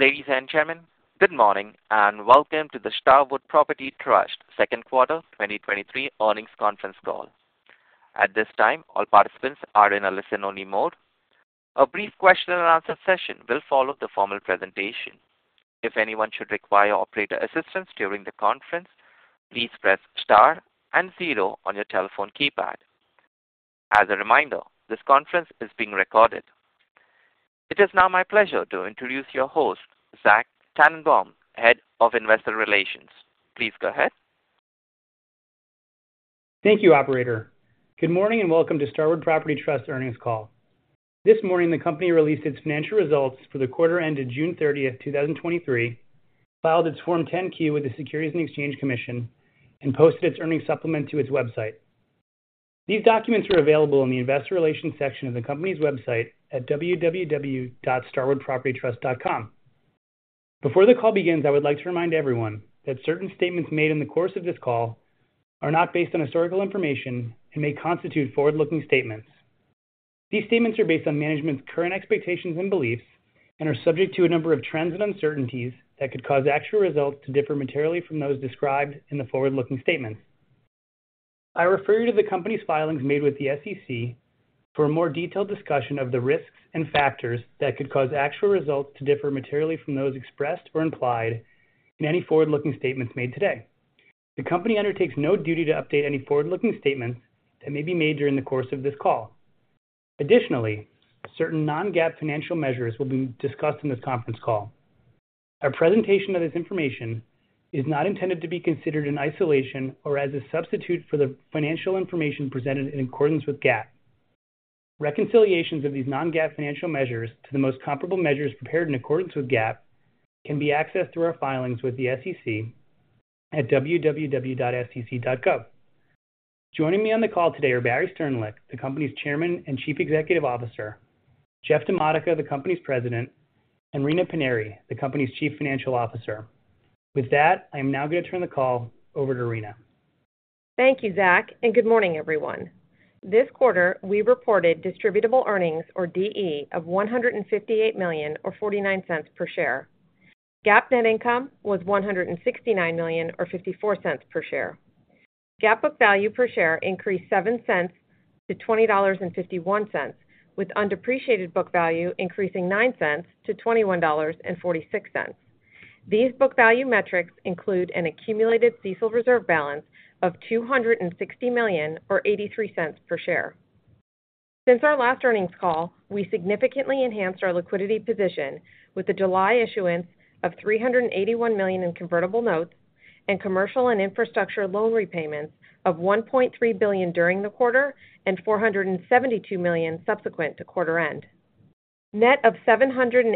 Ladies and gentlemen, good morning, and welcome to the Starwood Property Trust second quarter 2023 earnings conference call. At this time, all participants are in a listen-only mode. A brief question-and-answer session will follow the formal presentation. If anyone should require operator assistance during the conference, please press star and zero on your telephone keypad. As a reminder, this conference is being recorded. It is now my pleasure to introduce your host, Zach Tannenbaum, Head of Investor Relations. Please go ahead. Thank you, operator. Good morning, and welcome to Starwood Property Trust earnings call. This morning, the company released its financial results for the quarter ended June 30, 2023, filed its Form 10-Q with the Securities and Exchange Commission, and posted its earnings supplement to its website. These documents are available in the investor relations section of the company's website at www.starwoodpropertytrust.com. Before the call begins, I would like to remind everyone that certain statements made in the course of this call are not based on historical information and may constitute forward-looking statements. These statements are based on management's current expectations and beliefs and are subject to a number of trends and uncertainties that could cause actual results to differ materially from those described in the forward-looking statements. I refer you to the company's filings made with the SEC for a more detailed discussion of the risks and factors that could cause actual results to differ materially from those expressed or implied in any forward-looking statements made today. The company undertakes no duty to update any forward-looking statements that may be made during the course of this call. Additionally, certain non-GAAP financial measures will be discussed in this conference call. Our presentation of this information is not intended to be considered in isolation or as a substitute for the financial information presented in accordance with GAAP. Reconciliations of these non-GAAP financial measures to the most comparable measures prepared in accordance with GAAP can be accessed through our filings with the SEC at www.sec.gov. Joining me on the call today are Barry Sternlicht, the company's Chairman and Chief Executive Officer, Jeff DiModica, the company's President, and Rina Panerai, the company's Chief Financial Officer. With that, I am now going to turn the call over to Rina. Thank you, Zach, and good morning, everyone. This quarter, we reported distributable earnings, or DE, of $158 million or $0.49 per share. GAAP net income was $169 million or $0.54 per share. GAAP book value per share increased $0.0-$20.51, with undepreciated book value increasing $0.09-$21.46. These book value metrics include an accumulated CECL reserve balance of $260 million or $0.83 per share. Since our last earnings call, we significantly enhanced our liquidity position with the July issuance of $381 million in convertible notes and commercial and infrastructure loan repayments of $1.3 billion during the quarter and $472 million subsequent to quarter end. Net of $787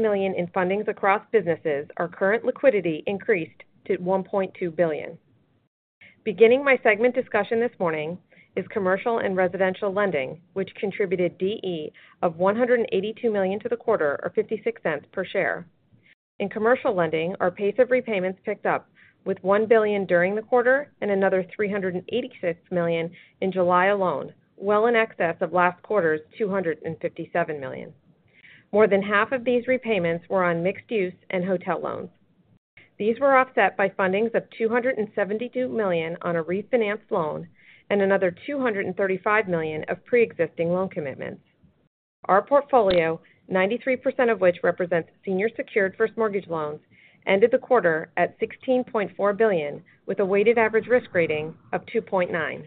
million in fundings across businesses, our current liquidity increased to $1.2 billion. Beginning my segment discussion this morning is commercial and residential lending, which contributed DE of $182 million to the quarter, or $0.56 per share. In commercial lending, our pace of repayments picked up with $1 billion during the quarter and another $386 million in July alone, well in excess of last quarter's $257 million. More than half of these repayments were on mixed-use and hotel loans. These were offset by fundings of $272 million on a refinanced loan and another $235 million of pre-existing loan commitments. Our portfolio, 93% of which represents senior secured first-mortgage loans, ended the quarter at $16.4 billion, with a weighted-average risk rating of 2.9.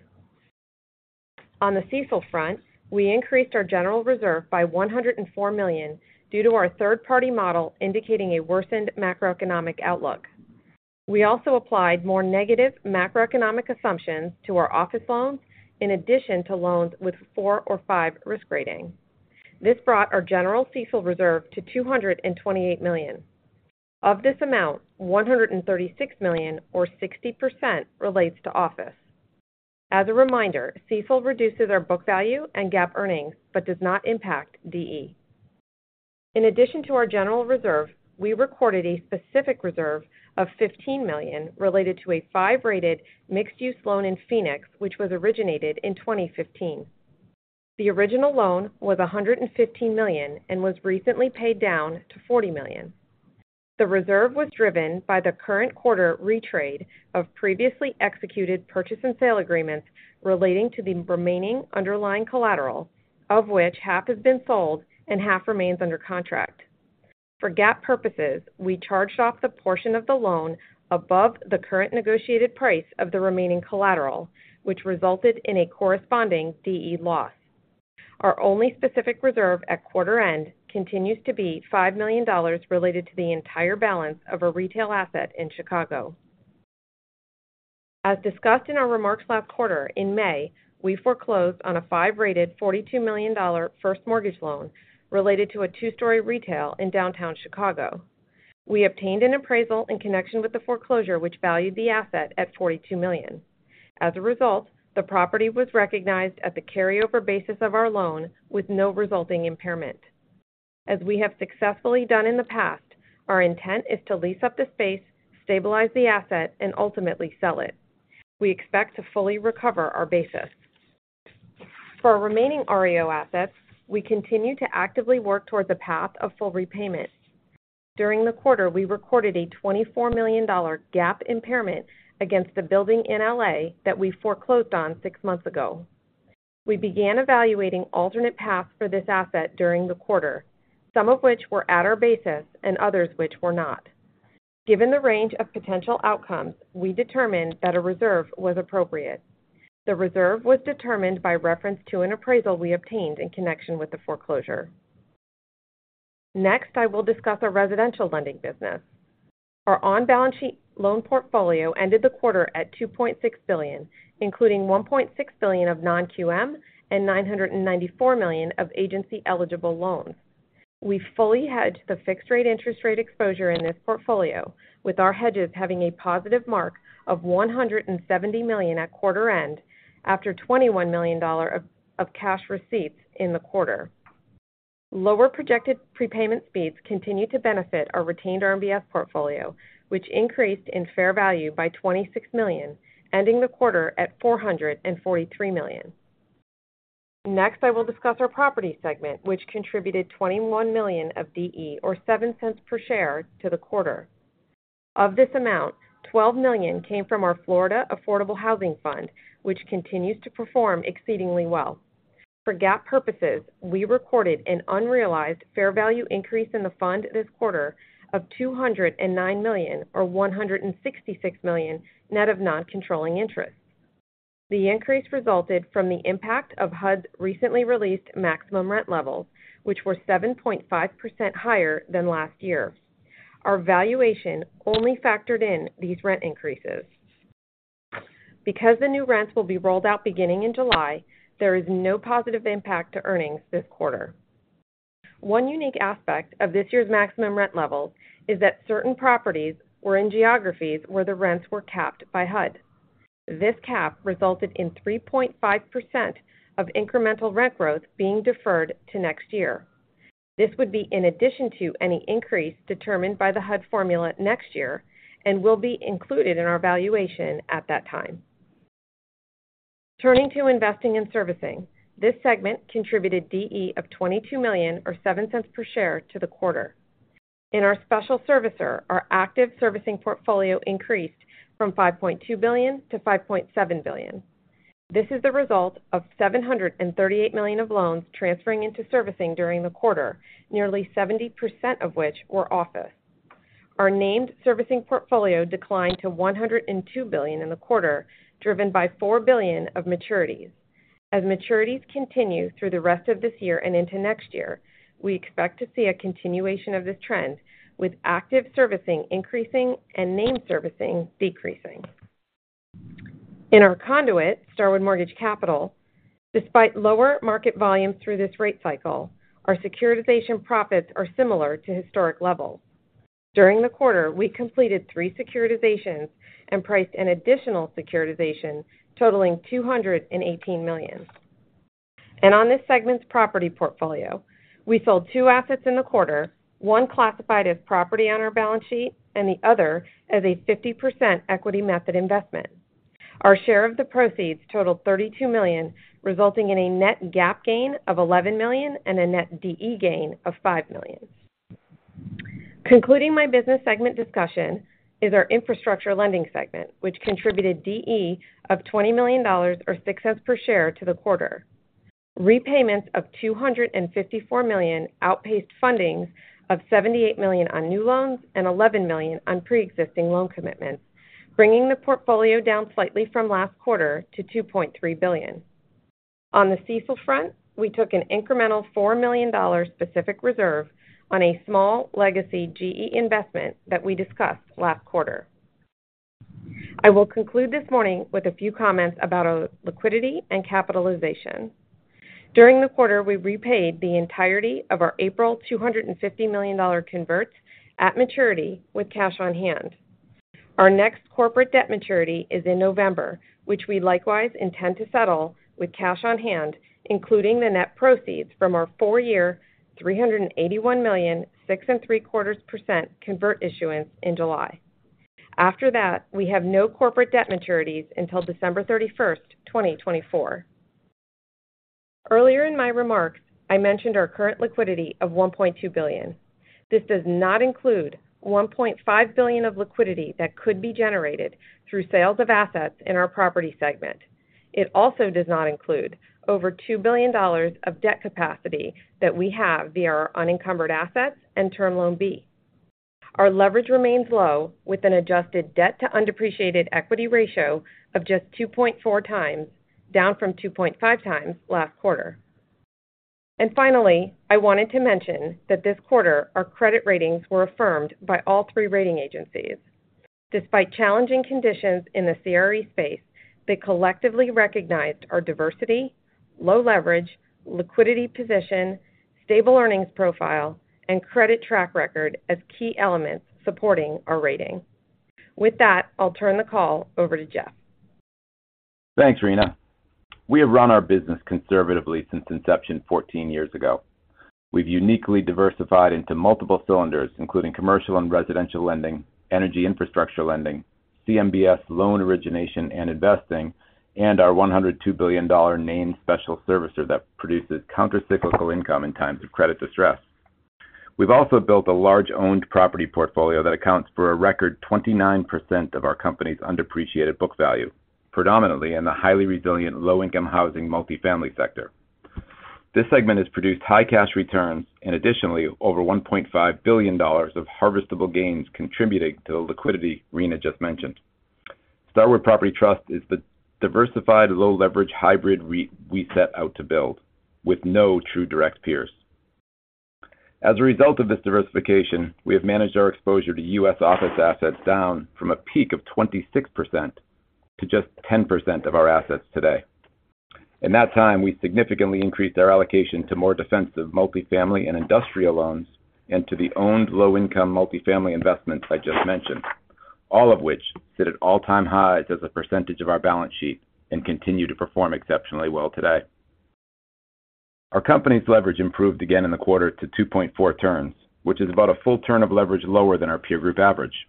On the CECL front, we increased our general reserve by $104 million due to our third-party model indicating a worsened macroeconomic outlook. We also applied more negative macroeconomic assumptions to our office loans in addition to loans with four or five risk rating. This brought our general CECL reserve to $228 million. Of this amount, $136 million, or 60%, relates to office. As a reminder, CECL reduces our book value and GAAP earnings, but does not impact DE. In addition to our general reserve, we recorded a specific reserve of $15 million related to a 5-rated mixed-use loan in Phoenix, which was originated in 2015. The original loan was $115 million and was recently paid down to $40 million. The reserve was driven by the current quarter retrade of previously executed purchase and sale agreements relating to the remaining underlying collateral, of which half has been sold and half remains under contract. For GAAP purposes, we charged off the portion of the loan above the current negotiated price of the remaining collateral, which resulted in a corresponding DE loss. Our only specific reserve at quarter end continues to be $5 million related to the entire balance of a retail asset in Chicago. As discussed in our remarks last quarter, in May, we foreclosed on a five-rated $42 million first mortgage loan related to a two-story retail in downtown Chicago. We obtained an appraisal in connection with the foreclosure, which valued the asset at $42 million. As a result, the property was recognized at the carryover basis of our loan with no resulting impairment. As we have successfully done in the past, our intent is to lease up the space, stabilize the asset, and ultimately sell it. We expect to fully recover our basis. For our remaining REO assets, we continue to actively work towards a path of full repayment. During the quarter, we recorded a $24 million GAAP impairment against the building in L.A. that we foreclosed on six months ago. We began evaluating alternate paths for this asset during the quarter, some of which were at our basis and others which were not. Given the range of potential outcomes, we determined that a reserve was appropriate. The reserve was determined by reference to an appraisal we obtained in connection with the foreclosure. Next, I will discuss our residential lending business. Our on-balance sheet loan portfolio ended the quarter at $2.6 billion, including $1.6 billion of non-QM and $994 million of agency-eligible loans. We fully hedged the fixed rate interest rate exposure in this portfolio, with our hedges having a positive mark of $170 million at quarter end, after $21 million of cash receipts in the quarter. Lower projected prepayment speeds continue to benefit our retained RMBS portfolio, which increased in fair value by $26 million, ending the quarter at $443 million. Next, I will discuss our property segment, which contributed $21 million of DE, or $0.07 per share to the quarter. Of this amount, $12 million came from our Florida Affordable Housing Fund, which continues to perform exceedingly well. For GAAP purposes, we recorded an unrealized fair value increase in the fund this quarter of $209 million, or $166 million, net of non-controlling interest. The increase resulted from the impact of HUD's recently released maximum rent levels, which were 7.5% higher than last year. Our valuation only factored in these rent increases. Because the new rents will be rolled out beginning in July, there is no positive impact to earnings this quarter. One unique aspect of this year's maximum rent levels is that certain properties were in geographies where the rents were capped by HUD. This cap resulted in 3.5% of incremental rent growth being deferred to next year. This would be in addition to any increase determined by the HUD formula next year and will be included in our valuation at that time. Turning to investing and servicing, this segment contributed DE of $22 million, or $0.07 per share, to the quarter. In our special servicer, our active servicing portfolio increased from $5.2 billion to $5.7 billion. This is the result of $738 million of loans transferring into servicing during the quarter, nearly 70% of which were office. Our named servicing portfolio declined to $102 billion in the quarter, driven by $4 billion of maturities. As maturities continue through the rest of this year and into next year, we expect to see a continuation of this trend, with active servicing increasing and named servicing decreasing. In our conduit, Starwood Mortgage Capital, despite lower market volumes through this rate cycle, our securitization profits are similar to historic levels. During the quarter, we completed three securitizations and priced an additional securitization totaling $218 million. On this segment's property portfolio, we sold 2 assets in the quarter, one classified as property on our balance sheet and the other as a 50% equity method investment. Our share of the proceeds totaled $32 million, resulting in a net GAAP gain of $11 million and a net DE gain of $5 million. Concluding my business segment discussion is our infrastructure lending segment, which contributed DE of $20 million, or $0.06 per share, to the quarter. Repayments of $254 million outpaced fundings of $78 million on new loans and $11 million on pre-existing loan commitments, bringing the portfolio down slightly from last quarter to $2.3 billion. On the CECL front, we took an incremental $4 million specific reserve on a small legacy GE investment that we discussed last quarter. I will conclude this morning with a few comments about our liquidity and capitalization. During the quarter, we repaid the entirety of our April $250 million converts at maturity with cash on hand. Our next corporate debt maturity is in November, which we likewise intend to settle with cash on hand, including the net proceeds from our four-year, $381 million, 6.75% convert issuance in July. After that, we have no corporate debt maturities until December 31, 2024. Earlier in my remarks, I mentioned our current liquidity of $1.2 billion. This does not include $1.5 billion of liquidity that could be generated through sales of assets in our property segment. It also does not include over $2 billion of debt capacity that we have via our unencumbered assets and Term Loan B. Our leverage remains low, with an adjusted debt to undepreciated equity ratio of just 2.4x, down from 2.5x last quarter. Finally, I wanted to mention that this quarter, our credit ratings were affirmed by all three rating agencies. Despite challenging conditions in the CRE space, they collectively recognized our diversity, low leverage, liquidity position, stable earnings profile, and credit track record as key elements supporting our rating. With that, I'll turn the call over to Jeff. Thanks, Rina. We have run our business conservatively since inception 14 years ago. We've uniquely diversified into multiple cylinders, including commercial and residential lending, energy infrastructure lending, CMBS loan origination and investing, and our $102 billion name special servicer that produces countercyclical income in times of credit distress. We've also built a large owned property portfolio that accounts for a record 29% of our company's undepreciated book value, predominantly in the highly resilient, low-income housing multifamily sector. This segment has produced high cash returns and additionally, over $1.5 billion of harvestable gains contributing to the liquidity Rina just mentioned. Starwood Property Trust is the diversified, low-leverage hybrid REIT we set out to build, with no true direct peers. As a result of this diversification, we have managed our exposure to U.S. office assets down from a peak of 26% to just 10% of our assets today. In that time, we significantly increased our allocation to more defensive multifamily and industrial loans and to the owned low-income multifamily investments I just mentioned, all of which sit at all-time highs as a percentage of our balance sheet and continue to perform exceptionally well today. Our company's leverage improved again in the quarter to 2.4 turns, which is about one full turn of leverage lower than our peer group average.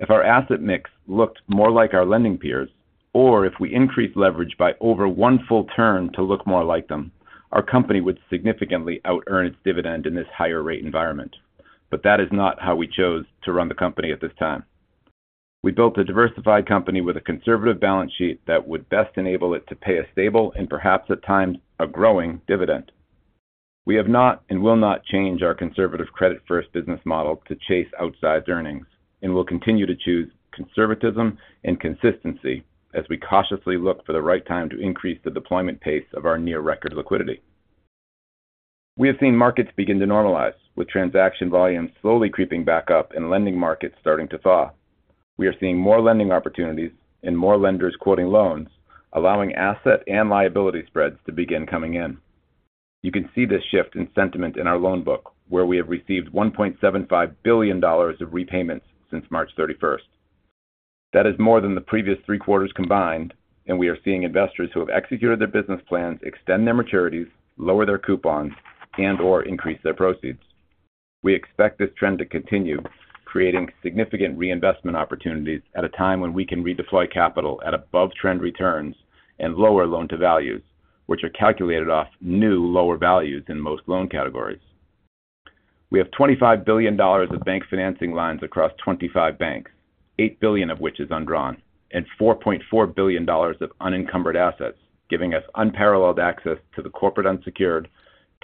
If our asset mix looked more like our lending peers, or if we increased leverage by over one full turn to look more like them, our company would significantly outearn its dividend in this higher rate environment. That is not how we chose to run the company at this time. We built a diversified company with a conservative balance sheet that would best enable it to pay a stable and perhaps at times, a growing dividend. We have not and will not change our conservative credit-first business model to chase outsized earnings, and we'll continue to choose conservatism and consistency as we cautiously look for the right time to increase the deployment pace of our near-record liquidity. We have seen markets begin to normalize, with transaction volumes slowly creeping back up and lending markets starting to thaw. We are seeing more lending opportunities and more lenders quoting loans, allowing asset and liability spreads to begin coming in. You can see this shift in sentiment in our loan book, where we have received $1.75 billion of repayments since March 31st. That is more than the previous three quarters combined, and we are seeing investors who have executed their business plans extend their maturities, lower their coupons, and/or increase their proceeds. We expect this trend to continue, creating significant reinvestment opportunities at a time when we can redeploy capital at above-trend returns and lower loan to values, which are calculated off new lower values in most loan categories. We have $25 billion of bank financing lines across 25 banks, $8 billion of which is undrawn, and $4.4 billion of unencumbered assets, giving us unparalleled access to the corporate unsecured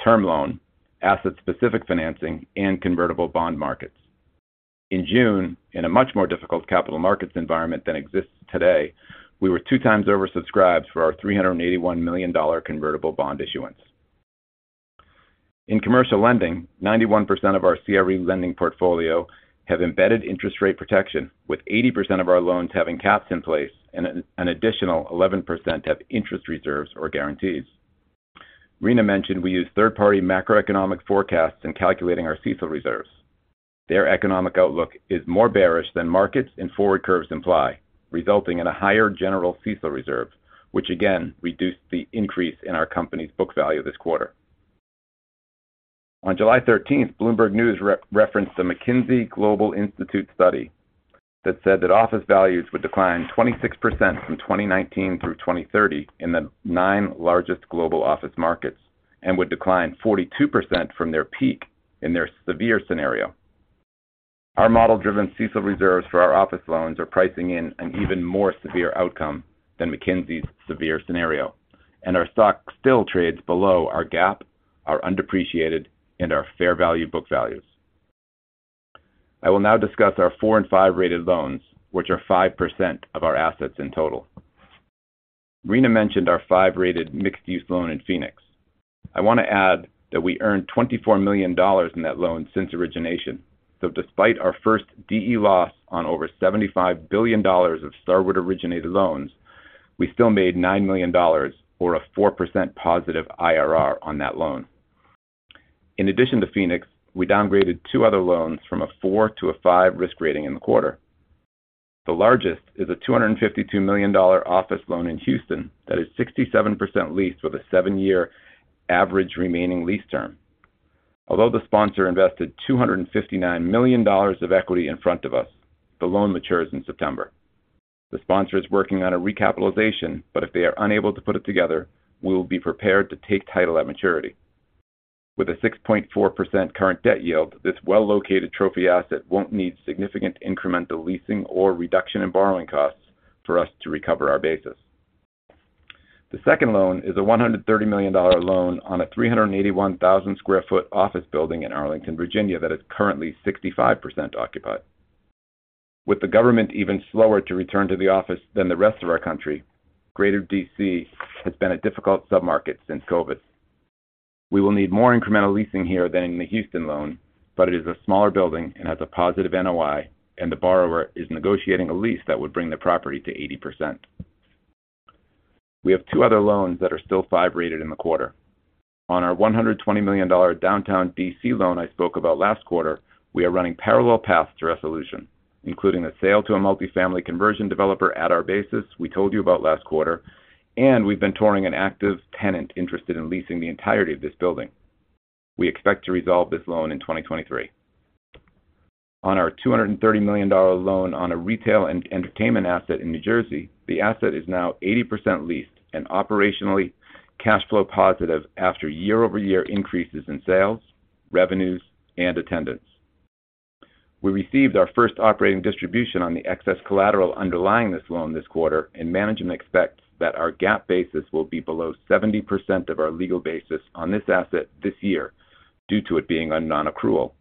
term loan, asset-specific financing, and convertible bond markets. In June, in a much more difficult capital markets environment than exists today, we were two times oversubscribed for our $381 million convertible bond issuance. In commercial lending, 91% of our CRE lending portfolio have embedded interest rate protection, with 80% of our loans having caps in place, an additional 11% have interest reserves or guarantees. Rina mentioned we use third-party macroeconomic forecasts in calculating our CECL reserves. Their economic outlook is more bearish than markets and forward curves imply, resulting in a higher general CECL reserve, which again reduced the increase in our company's book value this quarter. On July 13th, Bloomberg News re-referenced a McKinsey Global Institute study that said that office values would decline 26% from 2019 through 2030 in the nine largest global office markets and would decline 42% from their peak in their severe scenario. Our model-driven CECL reserves for our office loans are pricing in an even more severe outcome than McKinsey's severe scenario. Our stock still trades below our GAAP, our undepreciated, and our fair value book values. I will now discuss our four and 5-rated loans, which are 5% of our assets in total. Rina mentioned our 5-rated mixed-use loan in Phoenix. I want to add that we earned $24 million in that loan since origination. Despite our first DE loss on over $75 billion of Starwood-originated loans, we still made $9 million or a 4% positive IRR on that loan. In addition to Phoenix, we downgraded two other loans from a four to a five risk rating in the quarter. The largest is a $252 million office loan in Houston that is 67% leased with a seven-year average remaining lease term. Although the sponsor invested $259 million of equity in front of us, the loan matures in September. The sponsor is working on a recapitalization, but if they are unable to put it together, we will be prepared to take title at maturity. With a 6.4% current debt yield, this well-located trophy asset won't need significant incremental leasing or reduction in borrowing costs for us to recover our basis. The second loan is a $130 million loan on a 381,000 sq ft office building in Arlington, Virginia, that is currently 65% occupied. With the government even slower to return to the office than the rest of our country, Greater D.C. has been a difficult submarket since COVID. We will need more incremental leasing here than in the Houston loan, but it is a smaller building and has a positive NOI, and the borrower is negotiating a lease that would bring the property to 80%. We have two other loans that are still 5-rated in the quarter. On our $120 million downtown D.C. loan I spoke about last quarter, we are running parallel paths to resolution.... including a sale to a multifamily conversion developer at our basis we told you about last quarter, and we've been touring an active tenant interested in leasing the entirety of this building. We expect to resolve this loan in 2023. On our $230 million loan on a retail and entertainment asset in New Jersey, the asset is now 80% leased and operationally cash flow positive after year-over-year increases in sales, revenues, and attendance. Management expects that our GAAP basis will be below 70% of our legal basis on this asset this year, due to it being on nonaccrual.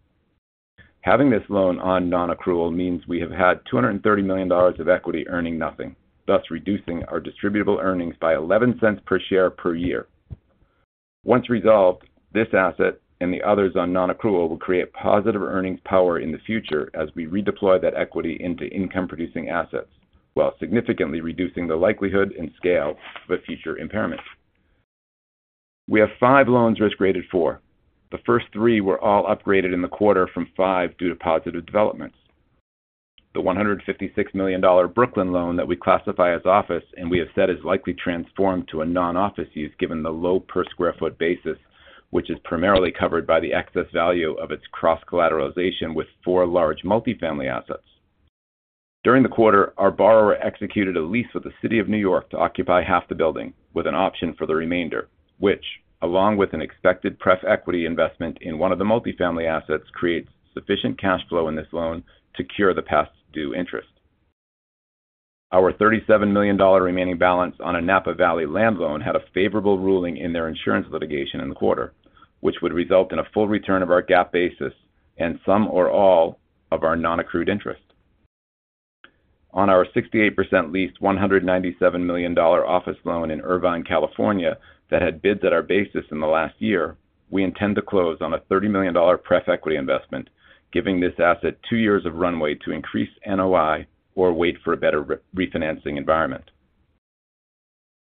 Having this loan on nonaccrual means we have had $230 million of equity earning nothing, thus reducing our distributable earnings by $0.11 per share per year. Once resolved, this asset and the others on nonaccrual will create positive earnings power in the future as we redeploy that equity into income-producing assets, while significantly reducing the likelihood and scale of a future impairment. We have five loans risk-graded 4. The first three were all upgraded in the quarter from 5 due to positive developments. The $156 million Brooklyn loan that we classify as office, and we have said, is likely transformed to a non-office use given the low per sq ft basis, which is primarily covered by the excess value of its cross-collateralization with four large multifamily assets. During the quarter, our borrower executed a lease with the City of New York to occupy half the building, with an option for the remainder, which, along with an expected pref equity investment in one of the multifamily assets, creates sufficient cash flow in this loan to cure the past due interest. Our $37 million remaining balance on a Napa Valley land loan had a favorable ruling in their insurance litigation in the quarter, which would result in a full return of our GAAP basis and some or all of our nonaccrued interest. On our 68% leased $197 million office loan in Irvine, California, that had bids at our basis in the last year, we intend to close on a $30 million pref equity investment, giving this asset two years of runway to increase NOI or wait for a better re-refinancing environment.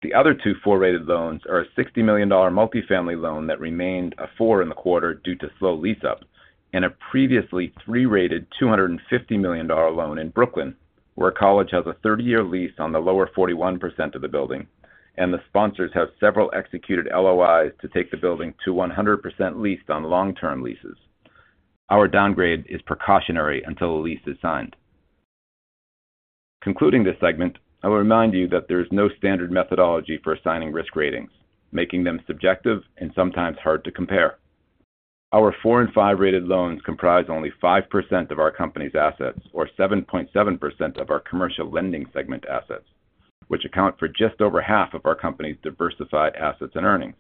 The other 2 4-rated loans are a $60 million multifamily loan that remained a 4 in the quarter due to slow lease-up, and a previously 3-rated $250 million loan in Brooklyn, where a college has a 30-year lease on the lower 41% of the building, and the sponsors have several executed LOIs to take the building to 100% leased on long-term leases. Our downgrade is precautionary until the lease is signed. Concluding this segment, I will remind you that there is no standard methodology for assigning risk ratings, making them subjective and sometimes hard to compare. Our four and five-rated loans comprise only 5% of our company's assets, or 7.7% of our commercial lending segment assets, which account for just over half of our company's diversified assets and earnings.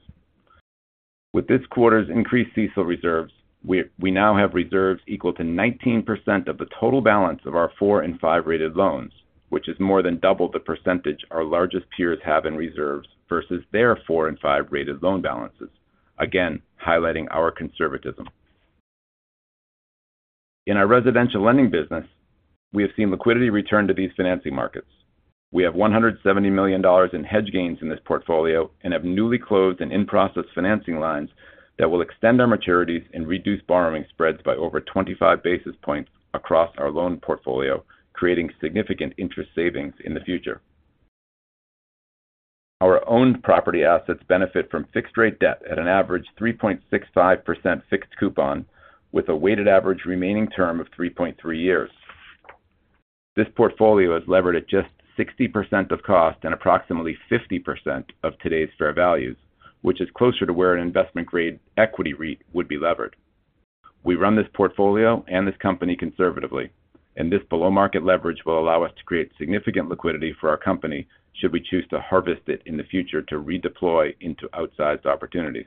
With this quarter's increased CECL reserves, we, we now have reserves equal to 19% of the total balance of our four and five-rated loans, which is more than double the percentage our largest peers have in reserves versus their four and five-rated loan balances, again, highlighting our conservatism. In our residential lending business, we have seen liquidity return to these financing markets. We have $170 million in hedge gains in this portfolio and have newly closed and in-process financing lines that will extend our maturities and reduce borrowing spreads by over 25 basis points across our loan portfolio, creating significant interest savings in the future. Our own property assets benefit from fixed-rate debt at an average 3.65% fixed coupon, with a weighted average remaining term of 3.3 years. This portfolio is levered at just 60% of cost and approximately 50% of today's fair values, which is closer to where an investment-grade equity REIT would be levered. We run this portfolio and this company conservatively, and this below-market leverage will allow us to create significant liquidity for our company should we choose to harvest it in the future to redeploy into outsized opportunities.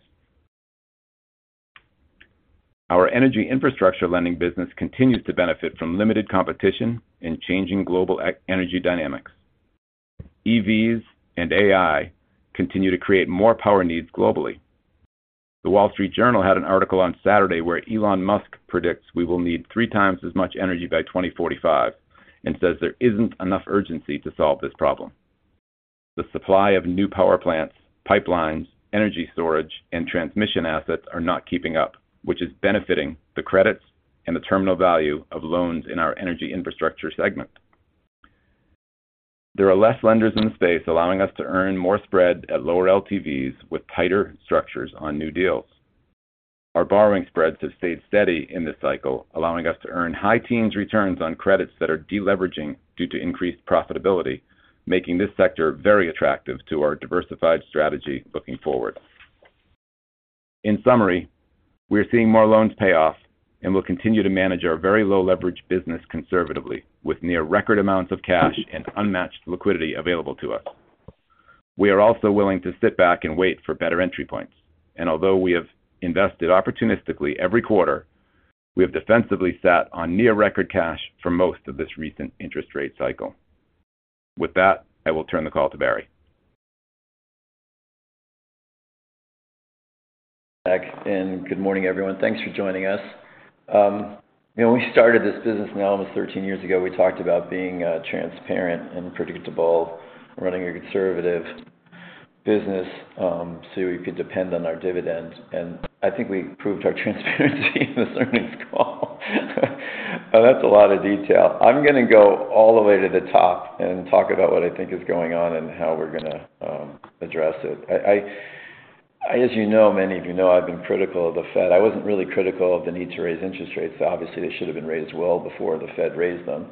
Our energy infrastructure lending business continues to benefit from limited competition and changing global energy dynamics. EVs and AI continue to create more power needs globally. The Wall Street Journal had an article on Saturday where Elon Musk predicts we will need three times as much energy by 2045 and says there isn't enough urgency to solve this problem. The supply of new power plants, pipelines, energy storage, and transmission assets are not keeping up, which is benefiting the credits and the terminal value of loans in our energy infrastructure segment. There are less lenders in the space, allowing us to earn more spread at lower LTVs with tighter structures on new deals. Our borrowing spreads have stayed steady in this cycle, allowing us to earn high teens returns on credits that are deleveraging due to increased profitability, making this sector very attractive to our diversified strategy looking forward. In summary, we are seeing more loans pay off, and we'll continue to manage our very low-leverage business conservatively, with near record amounts of cash and unmatched liquidity available to us. We are also willing to sit back and wait for better entry points, and although we have invested opportunistically every quarter, we have defensively sat on near record cash for most of this recent interest rate cycle. With that, I will turn the call to Barry. Back, good morning, everyone. Thanks for joining us. When we started this business now almost 13 years ago, we talked about being transparent and predictable, running a conservative... business, we could depend on our dividends. I think we proved our transparency in this earnings call. Well, that's a lot of detail. I'm gonna go all the way to the top and talk about what I think is going on and how we're gonna address it. I, as you know, many of you know, I've been critical of the Fed. I wasn't really critical of the need to raise interest rates. Obviously, they should have been raised well before the Fed raised them.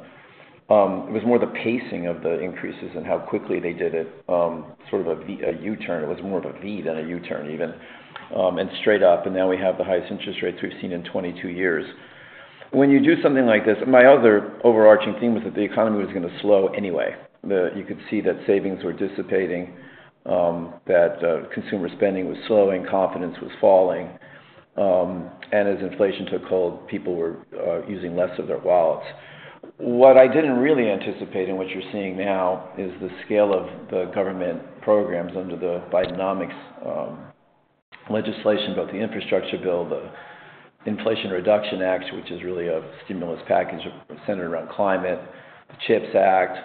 It was more the pacing of the increases and how quickly they did it, sort of a V-- a U-turn. It was more of a V than a U-turn even, and straight up, and now we have the highest interest rates we've seen in 22 years. When you do something like this. My other overarching theme was that the economy was gonna slow anyway. You could see that savings were dissipating, that consumer spending was slowing, confidence was falling, and as inflation took hold, people were using less of their wallets. What I didn't really anticipate, and what you're seeing now, is the scale of the government programs under the Bidenomics legislation, both the infrastructure bill, the Inflation Reduction Act, which is really a stimulus package centered around climate, the CHIPS Act.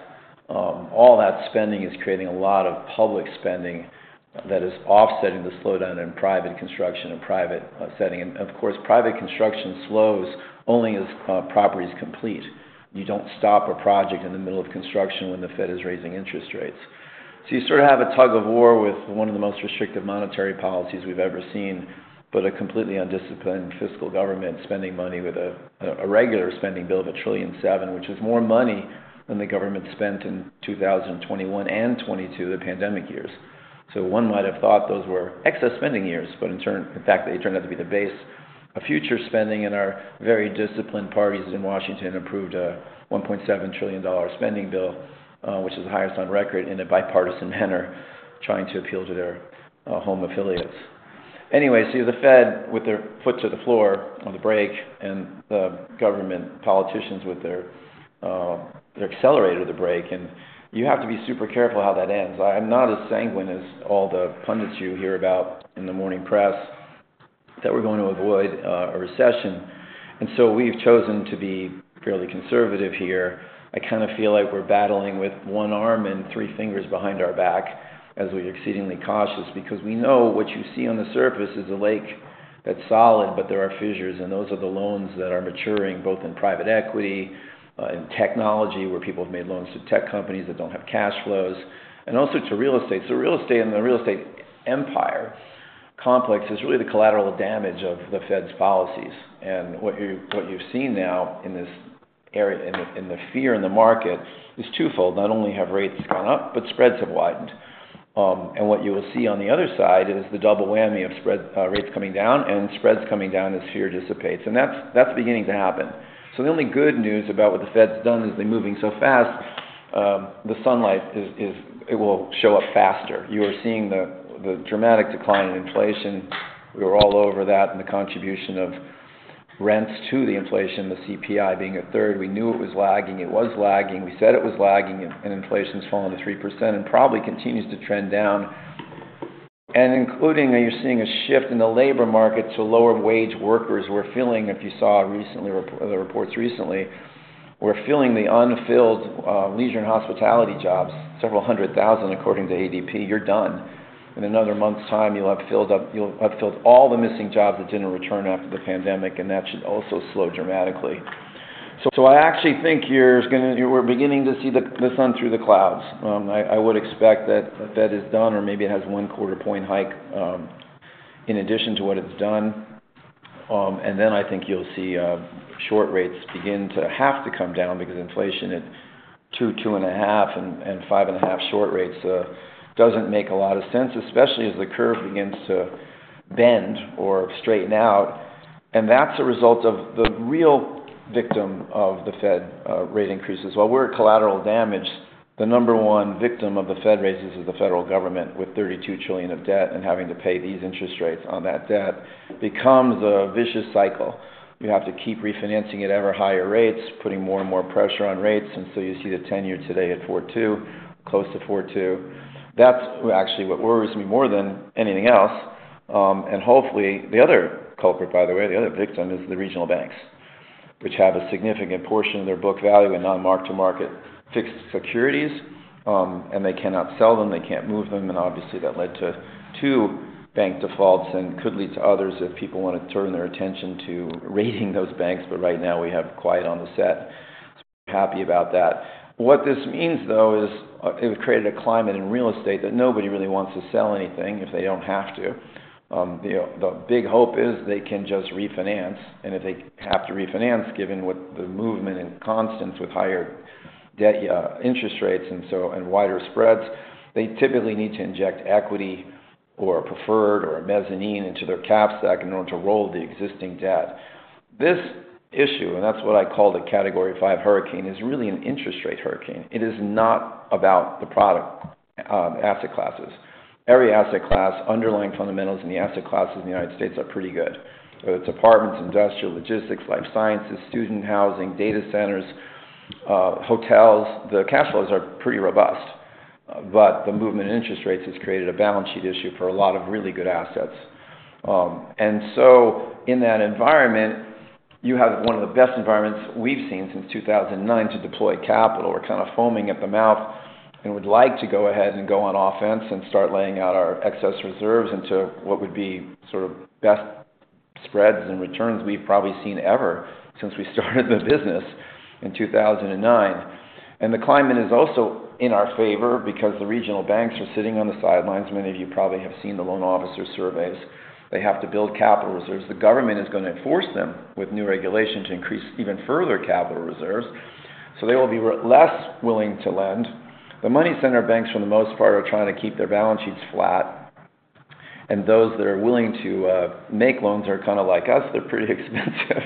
All that spending is creating a lot of public spending that is offsetting the slowdown in private construction and private setting. Of course, private construction slows only as property is complete. You don't stop a project in the middle of construction when the Fed is raising interest rates. You sort of have a tug-of-war with one of the most restrictive monetary policies we've ever seen, but a completely undisciplined fiscal government spending money with a regular spending bill of $1.7 trillion, which is more money than the government spent in 2021 and 2022, the pandemic years. One might have thought those were excess spending years, but in fact, they turned out to be the base of future spending, and our very disciplined parties in Washington approved a $1.7 trillion spending bill, which is the highest on record, in a bipartisan manner, trying to appeal to their home affiliates. The Fed, with their foot to the floor on the brake, and the government politicians with their accelerator to brake. And you have to be super careful how that ends. I'm not as sanguine as all the pundits you hear about in the morning press that we're going to avoid a recession, so we've chosen to be fairly conservative here. I kinda feel like we're battling with one arm and three fingers behind our back, as we're exceedingly cautious because we know what you see on the surface is a lake that's solid, but there are fissures. Those are the loans that are maturing, both in private equity, in technology, where people have made loans to tech companies that don't have cash flows, also to real estate. Real estate and the real estate empire complex is really the collateral damage of the Fed's policies. What you, what you've seen now in this area, in the, in the fear in the market, is twofold. Not only have rates gone up, but spreads have widened. What you will see on the other side is the double whammy of spread, rates coming down and spreads coming down as fear dissipates, and that's beginning to happen. The only good news about what the Fed's done, is they're moving so fast, the sunlight is it will show up faster. You are seeing the dramatic decline in inflation. We were all over that and the contribution of rents to the inflation, the CPI being a third. We knew it was lagging. It was lagging. We said it was lagging, and inflation's fallen to 3% and probably continues to trend down. Including, you're seeing a shift in the labor market to lower-wage workers. We're filling, if you saw recently reports recently, we're filling the unfilled leisure and hospitality jobs, several hundred thousand, according to ADP. You're done. In another month's time, you'll have filled all the missing jobs that didn't return after the pandemic, and that should also slow dramatically. I actually think you're gonna-- we're beginning to see the, the sun through the clouds. I, I would expect that, the Fed is done or maybe it has one quarter point hike in addition to what it's done. Then I think you'll see short rates begin to have to come down because inflation at two, 2.5, and 5.5 short rates doesn't make a lot of sense, especially as the curve begins to bend or straighten out, and that's a result of the real victim of the Fed rate increases. While we're collateral damage, the number one victim of the Fed raises is the federal government, with $32 trillion of debt and having to pay these interest rates on that debt, becomes a vicious cycle. You have to keep refinancing at ever higher rates, putting more and more pressure on rates, so you see the tenure today at 4.2, close to 4.2. That's actually what worries me more than anything else. And hopefully... The other culprit, by the way, the other victim, is the regional banks, which have a significant portion of their book value in non-mark-to-market fixed securities, and they cannot sell them, they can't move them, and obviously, that led to two bank defaults and could lead to others if people want to turn their attention to rating those banks. Right now, we have quiet on the set. Happy about that. What this means, though, is, it created a climate in real estate that nobody really wants to sell anything if they don't have to. The, the big hope is they can just refinance, and if they have to refinance, given what the movement and constants with higher debt, interest rates, and wider spreads, they typically need to inject equity or a preferred or a mezzanine into their cap stack in order to roll the existing debt. This issue, and that's what I call the Category Five hurricane, is really an interest rate hurricane. It is not about the product, asset classes. Every asset class, underlying fundamentals in the asset classes in the United States are pretty good. Whether it's apartments, industrial, logistics, life sciences, student housing, data centers, hotels, the cash flows are pretty robust. The movement in interest rates has created a balance sheet issue for a lot of really good assets. In that environment, you have one of the best environments we've seen since 2009 to deploy capital. We're kind of foaming at the mouth and would like to go ahead and go on offense and start laying out our excess reserves into what would be sort of best spreads and returns we've probably seen ever since we started the business in 2009. The climate is also in our favor because the regional banks are sitting on the sidelines. Many of you probably have seen the loan officer surveys. They have to build capital reserves. The government is going to force them, with new regulations, to increase even further capital reserves, so they will be less willing to lend. The money center banks, for the most part, are trying to keep their balance sheets flat, and those that are willing to make loans are kind of like us, they're pretty expensive.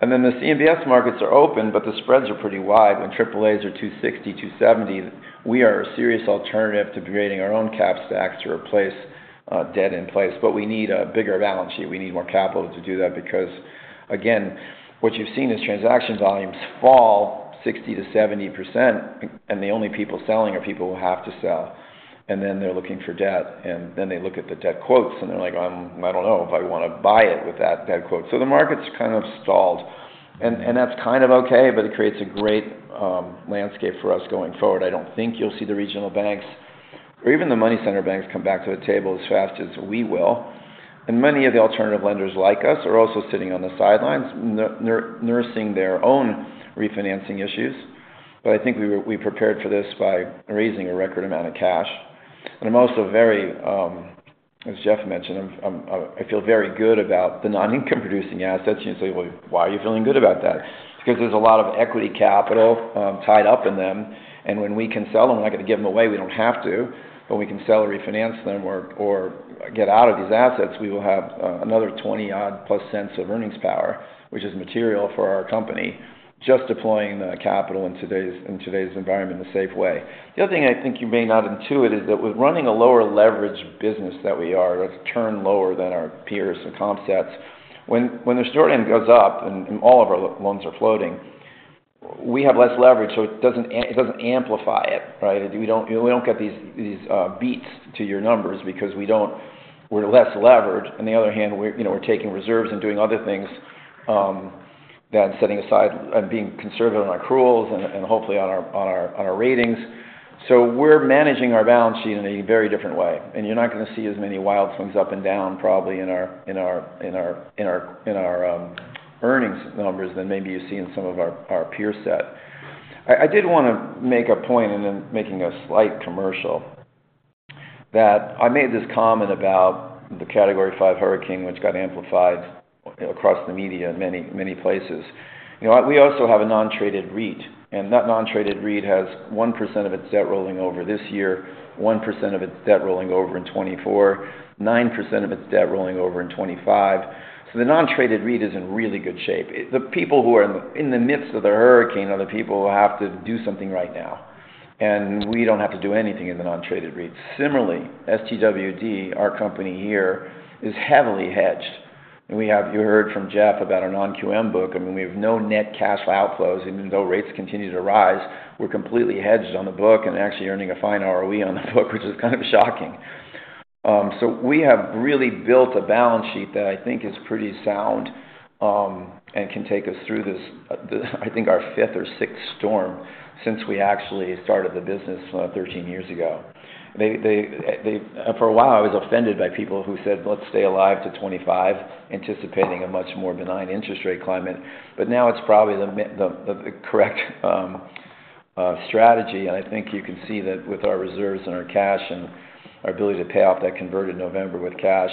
The CMBS markets are open, but the spreads are pretty wide. When AAAs are 260, 270, we are a serious alternative to creating our own cap stack to replace debt in place, but we need a bigger balance sheet. We need more capital to do that because, again, what you've seen is transactions volumes fall 60%-70%, the only people selling are people who have to sell, and then they're looking for debt. Then they look at the debt quotes, and they're like, "I don't know if I want to buy it with that, that quote." The market's kind of stalled, and that's kind of okay, but it creates a great landscape for us going forward. I don't think you'll see the regional banks or even the money center banks come back to the table as fast as we will. Many of the alternative lenders like us, are also sitting on the sidelines, nursing their own refinancing issues. I think we prepared for this by raising a record amount of cash. I'm also very, as Jeff mentioned, I feel very good about the non-income producing assets. You say, "Well, why are you feeling good about that?" There's a lot of equity capital tied up in them, and when we can sell them, we're not going to give them away, we don't have to, but we can sell or refinance them or get out of these assets. We will have another $0.20-odd plus of earnings power, which is material for our company, just deploying the capital in today's, in today's environment in a safe way. The other thing I think you may not intuit is that with running a lower leverage business that we are, it's turned lower than our peers and comp sets. When the short end goes up, and all of our loans are floating, we have less leverage, so it doesn't amplify it, right? We don't, you know, we don't get these, these beats to your numbers because we don't. We're less leveraged. On the other hand, we're, you know, we're taking reserves and doing other things that setting aside and being conservative on accruals and, and hopefully on our, on our, on our ratings. We're managing our balance sheet in a very different way, and you're not going to see as many wild swings up and down, probably, in our, in our, in our, in our earnings numbers than maybe you see in some of our, our peer set. 0ne, I did want to make a point, and then making a slight commercial, that I made this comment about the Category five hurricane, which got amplified across the media in many, many places. You know, we also have a non-traded REIT, and that non-traded REIT has 1% of its debt rolling over this year, 1% of its debt rolling over in 2024, 9% of its debt rolling over in 2025. The non-traded REIT is in really good shape. The people who are in the, in the midst of the hurricane are the people who have to do something right now, and we don't have to do anything in the non-traded REIT. Similarly, STWD, our company here, is heavily hedged, and we have- you heard from Jeff about our non-QM book. I mean, we have no net cash outflows, even though rates continue to rise. We're completely hedged on the book and actually earning a fine ROE on the book, which is kind of shocking. We have really built a balance sheet that I think is pretty sound and can take us through this, this, I think our fifth or sixth storm since we actually started the business 13 years ago. For a while, I was offended by people who said, "Let's stay alive to 25," anticipating a much more benign interest rate climate. Now it's probably the correct strategy. I think you can see that with our reserves and our cash and our ability to pay off that convert in November with cash,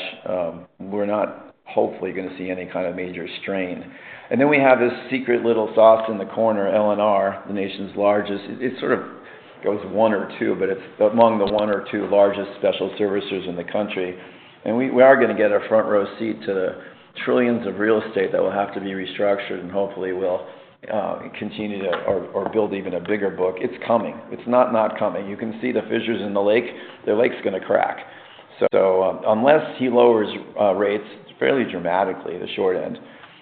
we're not hopefully going to see any kind of major strain. We have this secret little sauce in the corner, LNR, the nation's largest... It, it sort of goes one or two, but it's among the one or two largest special servicers in the country. We, we are going to get a front row seat to the trillions of real estate that will have to be restructured, and hopefully, we'll continue to or build even a bigger book. It's coming. It's not, not coming. You can see the fissures in the lake. The lake's going to crack. Unless he lowers rates fairly dramatically, the short end,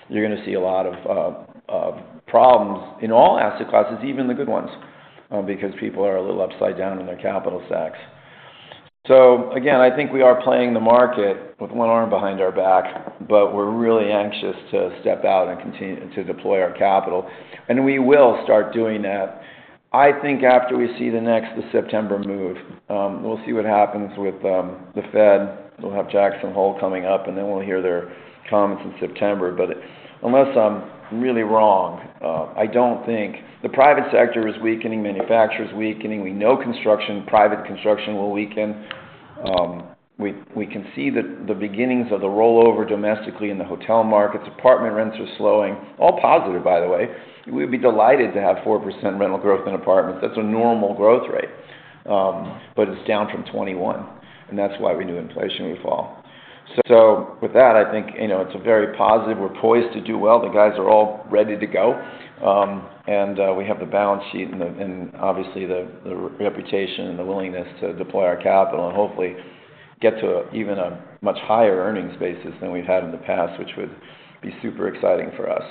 you're going to see a lot of problems in all asset classes, even the good ones, because people are a little upside down in their capital stacks. Again, I think we are playing the market with 1 arm behind our back, but we're really anxious to step out and continue to deploy our capital, and we will start doing that. I think after we see the next, the September move, we'll see what happens with the Fed. We'll have Jackson Hole coming up, and then we'll hear their comments in September. Unless I'm really wrong, I don't think. The private sector is weakening, manufacturing is weakening. We know construction, private construction, will weaken. We, we can see the, the beginnings of the rollover domestically in the hotel markets. Apartment rents are slowing. All positive, by the way. We'd be delighted to have 4% rental growth in apartments. That's a normal growth rate, but it's down from 21, and that's why we knew inflation would fall. With that, I think, you know, it's a very positive. We're poised to do well. The guys are all ready to go. We have the balance sheet and the, and obviously, the, the reputation and the willingness to deploy our capital. Hopefully, get to even a much higher earnings basis than we've had in the past, which would be super exciting for us.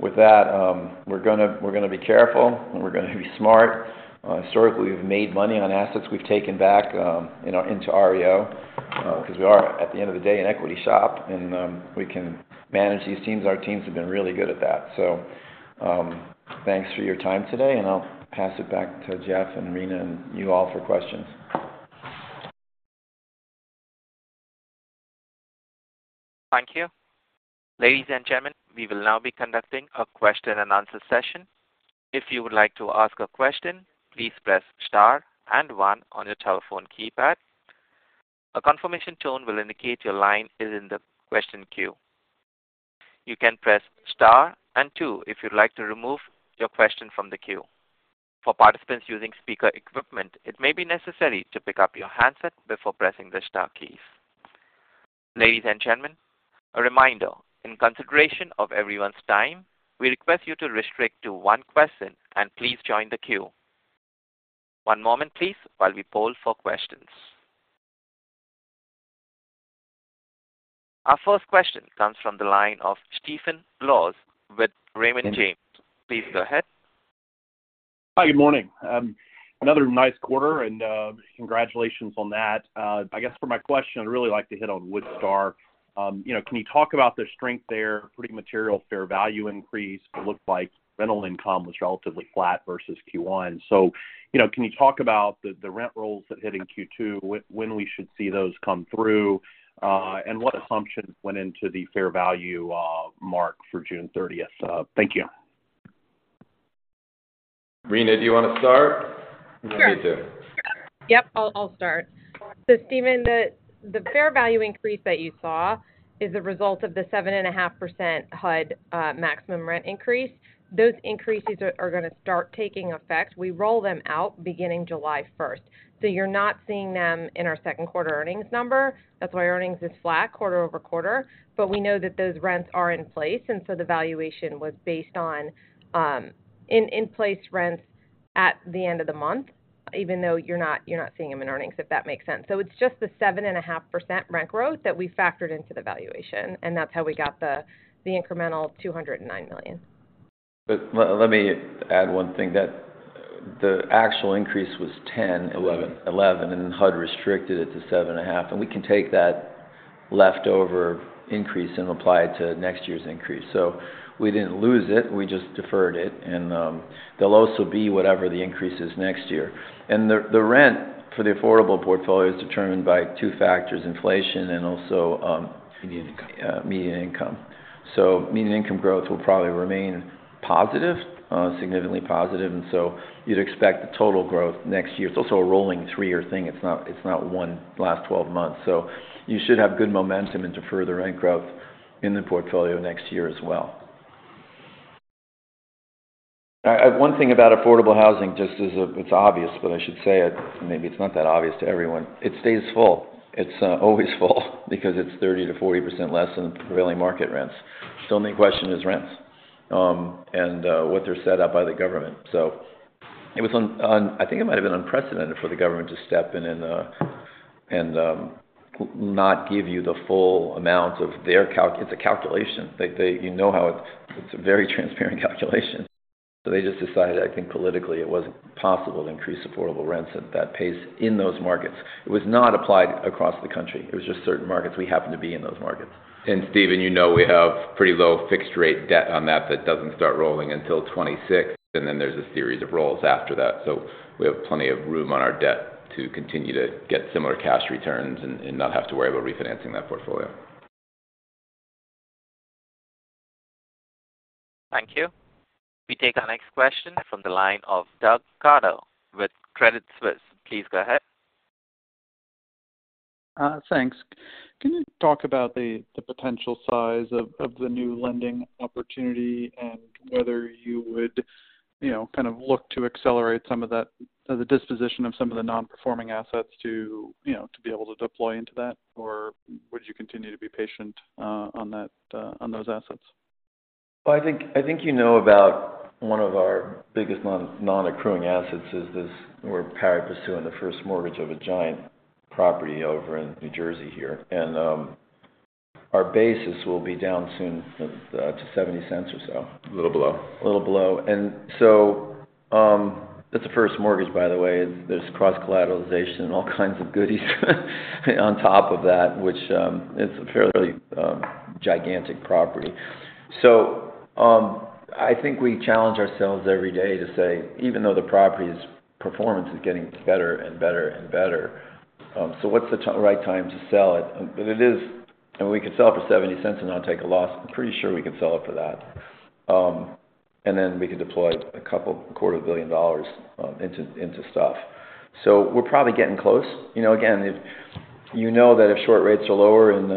With that, we're gonna, we're gonna be careful, and we're gonna be smart. Historically, we've made money on assets we've taken back, you know, into REO, 'cause we are, at the end of the day, an equity shop, and we can manage these teams. Our teams have been really good at that. Thanks for your time today, and I'll pass it back to Jeff and Rina and you all for questions. Thank you. Ladies and gentlemen, we will now be conducting a question-and-answer session. If you would like to ask a question, please press star and one on your telephone keypad. A confirmation tone will indicate your line is in the question queue. You can press star and two if you'd like to remove your question from the queue. For participants using speaker equipment, it may be necessary to pick up your handset before pressing the star key. Ladies and gentlemen, a reminder, in consideration of everyone's time, we request you to restrict to one question and please join the queue. One moment, please, while we poll for questions. Our first question comes from the line of Stephen Laws with Raymond James. Please go ahead. Hi, good morning. Another nice quarter, and congratulations on that. I guess for my question, I'd really like to hit on affordable housing portfolio. You know, can you talk about the strength there, pretty material fair value increase? It looked like rental income was relatively flat versus Q1. You know, can you talk about the, the rent rolls that hit in Q2, when we should see those come through, and what assumptions went into the fair value mark for June 30th? Thank you. Rina, do you wanna start? Sure. Me too. Yep, I'll start. Stephen, the fair value increase that you saw is a result of the 7.5% HUD maximum rent increase. Those increases are gonna start taking effect. We roll them out beginning July 1st. You're not seeing them in our second quarter earnings number. That's why our earnings is flat quarter-over-quarter. We know that those rents are in place, and so the valuation was based on in place rents at the end of the month, even though you're not seeing them in earnings, if that makes sense. It's just the 7.5% rent growth that we factored into the valuation, and that's how we got the incremental $209 million. Let me add one thing, that the actual increase was 11. HUD restricted it to 7.5, we can take that leftover increase and apply it to next year's increase. We didn't lose it, we just deferred it, and they'll also be whatever the increase is next year. The, the rent for the affordable portfolio is determined by two factors, inflation and also Median income. Yeah, median income. Median income growth will probably remain positive, significantly positive, and so you'd expect the total growth next year. It's also a rolling three-year thing. It's not, it's not one last 12 months. You should have good momentum into further rent growth in the portfolio next year as well. One thing about affordable housing, just as it's obvious, but I should say it. Maybe it's not that obvious to everyone. It stays full. It's always full because it's 30%-40% less than the prevailing market rents. The only question is rents, and what they're set up by the government. I think it might have been unprecedented for the government to step in and not give you the full amount of their. It's a calculation. They, they, you know how it's a very transparent calculation. They just decided, I think politically, it wasn't possible to increase affordable rents at that pace in those markets. It was not applied across the country. It was just certain markets. We happen to be in those markets. Stephen, you know, we have pretty low fixed rate debt on that, that doesn't start rolling until 2026, and then there's a series of rolls after that. We have plenty of room on our debt to continue to get similar cash returns and, and not have to worry about refinancing that portfolio. Thank you. We take our next question from the line of uncertain. Please go ahead. Thanks. Can you talk about the, the potential size of, of the new lending opportunity and whether you would, you know, kind of look to accelerate some of that, the disposition of some of the non-performing assets to, you know, to be able to deploy into that? Or would you continue to be patient on that, on those assets? You know about one of our biggest non-accruing assets is this. We're pursuing the first mortgage of a giant property over in New Jersey here. Our basis will be down soon to $0.70 or so. A little below. A little below. It's the first mortgage, by the way. There's cross-collateralization and all kinds of goodies on top of that, which it's a fairly gigantic property. I think we challenge ourselves every day to say, even though the property's performance is getting better and better and better, what's the right time to sell it? It is. We could sell it for $0.70 and not take a loss. I'm pretty sure we could sell it for that. We could deploy a couple... $250 million into stuff. We're probably getting close. You know, again, if you know that if short rates are lower and,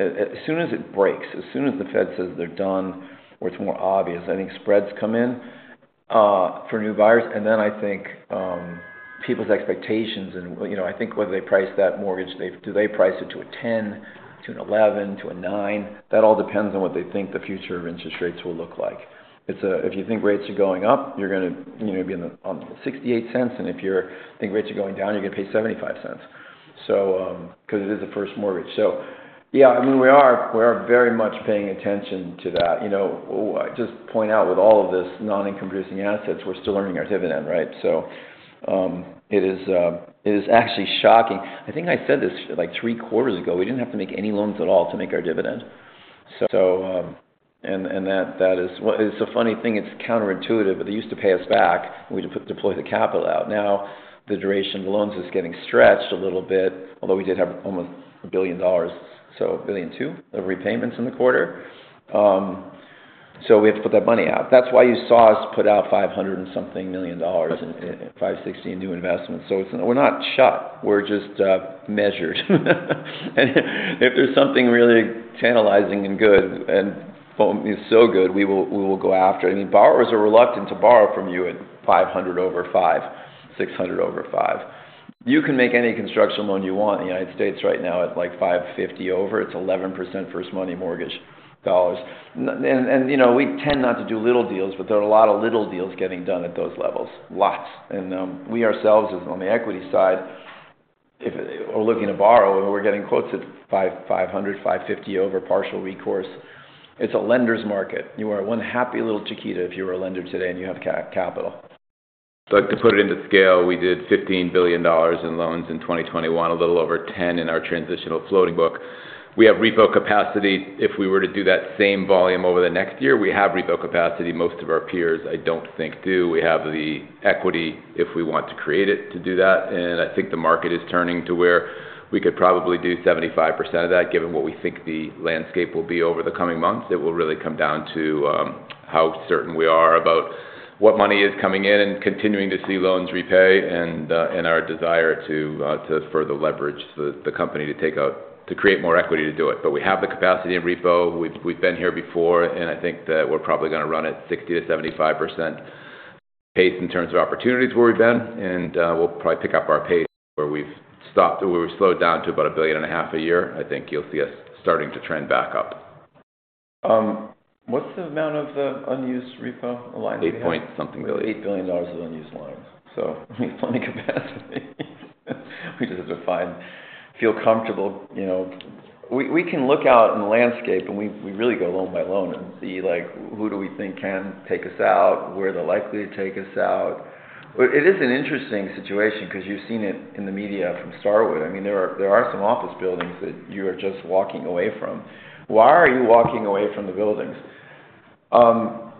as soon as it breaks, as soon as the Fed says they're done, or it's more obvious, I think spreads come in for new buyers. Then I think people's expectations and, you know, I think whether they price that mortgage, do they price it to a 10, to an 11, to a 9? That all depends on what they think the future interest rates will look like. If you think rates are going up, you're gonna, you know, be in the, on $0.68, and if you're think rates are going down, you're gonna pay $0.75. because it is a first mortgage. Yeah, I mean, we are, we are very much paying attention to that. You know, just point out, with all of this non-income producing assets, we're still earning our dividend, right? It is, it is actually shocking. I think I said this, like, three quarters ago, we didn't have to make any loans at all to make our dividend. It's a funny thing. It's counterintuitive, but they used to pay us back, and we deploy the capital out. Now, the duration of the loans is getting stretched a little bit, although we did have almost $1 billion, so $1.2 billion of repayments in the quarter. We have to put that money out. That's why you saw us put out $500 million and something dollars $560 million in new investments. It's, we're not shut, we're just measured. If there's something really tantalizing and good, and oh, it's so good, we will, we will go after it. I mean, borrowers are reluctant to borrow from you at 500 over 5, 600 over 5. You can make any construction loan you want in the United States right now at, like, 550 over. It's 11% first money mortgage dollars. You know, we tend not to do little deals, but there are a lot of little deals getting done at those levels. Lots. We ourselves, as on the equity side, if we're looking to borrow and we're getting quotes at 500, 550 over partial recourse, it's a lender's market. You are one happy little chiquita if you are a lender today and you have capital. To put it into scale, we did $15 billion in loans in 2021, a little over 10 in our transitional floating book. We have repo capacity. If we were to do that same volume over the next year, we have repo capacity. Most of our peers, I don't think, do. We have the equity if we want to create it to do that, I think the market is turning to where we could probably do 75% of that, given what we think the landscape will be over the coming months. It will really come down to how certain we are about what money is coming in and continuing to see loans repay, and our desire to further leverage the company to create more equity to do it. We have the capacity in repo. We've, we've been here before, and I think that we're probably gonna run at 60%-75% pace in terms of opportunities where we've been. We'll probably pick up our pace where we've stopped, where we've slowed down to about $1.5 billion a year. I think you'll see us starting to trend back up. What's the amount of the unused repo line we have? $8 point something billion. $8 billion of unused lines. We have plenty capacity. We just have to find, feel comfortable. You know, we, we can look out in the landscape, and we, we really go loan by loan and see, like, who do we think can take us out? Where they're likely to take us out. It is an interesting situation because you've seen it in the media from Starwood. I mean, there are, there are some office buildings that you are just walking away from. Why are you walking away from the buildings?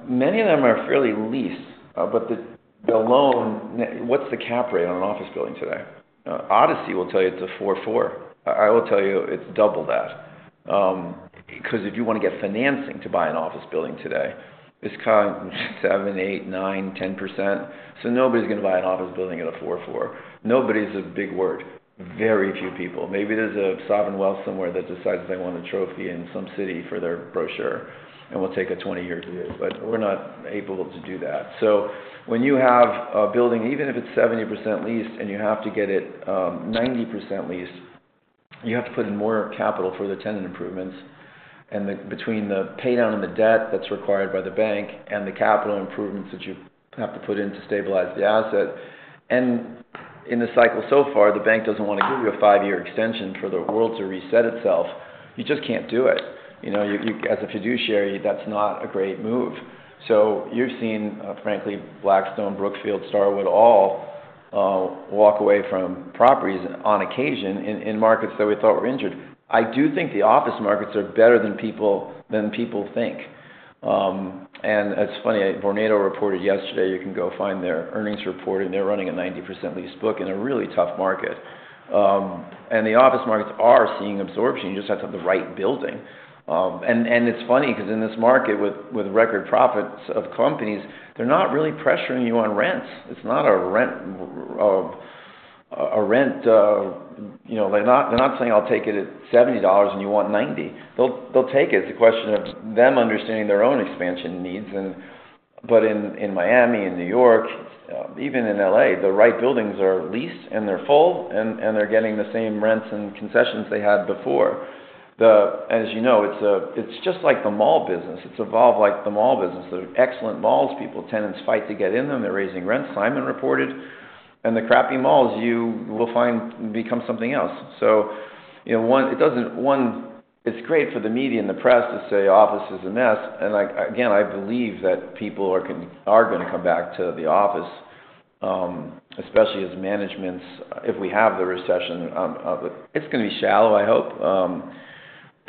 Many of them are fairly leased, but the, the loan, what's the cap rate on an office building today? Odyssey will tell you it's a 4.4. I will tell you it's double that. Because if you want to get financing to buy an office building today, it's kind 7%, 8%, 9%, 10%. Nobody's gonna buy an office building at a 4.4%. Nobody's a big word. Very few people. Maybe there's a sovereign wealth somewhere that decides they want a trophy in some city for their brochure, and we'll take a 20-year deal, but we're not able to do that. When you have a building, even if it's 70% leased and you have to get it, 90% leased, you have to put in more capital for the tenant improvements. Between the pay down and the debt that's required by the bank and the capital improvements that you have to put in to stabilize the asset, and in the cycle so far, the bank doesn't want to give you a 5-year extension for the world to reset itself. You just can't do it. You know, you, you, as a fiduciary, that's not a great move. You've seen, frankly, Blackstone, Brookfield, Starwood, all walk away from properties on occasion in, in markets that we thought were injured. I do think the office markets are better than people, than people think. And it's funny, Vornado reported yesterday, you can go find their earnings report, and they're running a 90% lease book in a really tough market. And the office markets are seeing absorption. You just have to have the right building. And, and it's funny because in this market with, with record profits of companies, they're not really pressuring you on rents. It's not a rent, a rent. You know, they're not saying, "I'll take it at $70," and you want $90. They'll, they'll take it. It's a question of them understanding their own expansion needs. In, in Miami, in New York, even in L.A., the right buildings are leased, and they're full, and, and they're getting the same rents and concessions they had before. As you know, it's just like the mall business. It's evolved like the mall business. There are excellent malls, people, tenants fight to get in them. They're raising rents, Simon reported. The crappy malls, you will find, become something else. you know, one, it doesn't. One, it's great for the media and the press to say, office is a mess. I, again, I believe that people are gonna come back to the office, especially as managements, if we have the recession, it's gonna be shallow, I hope.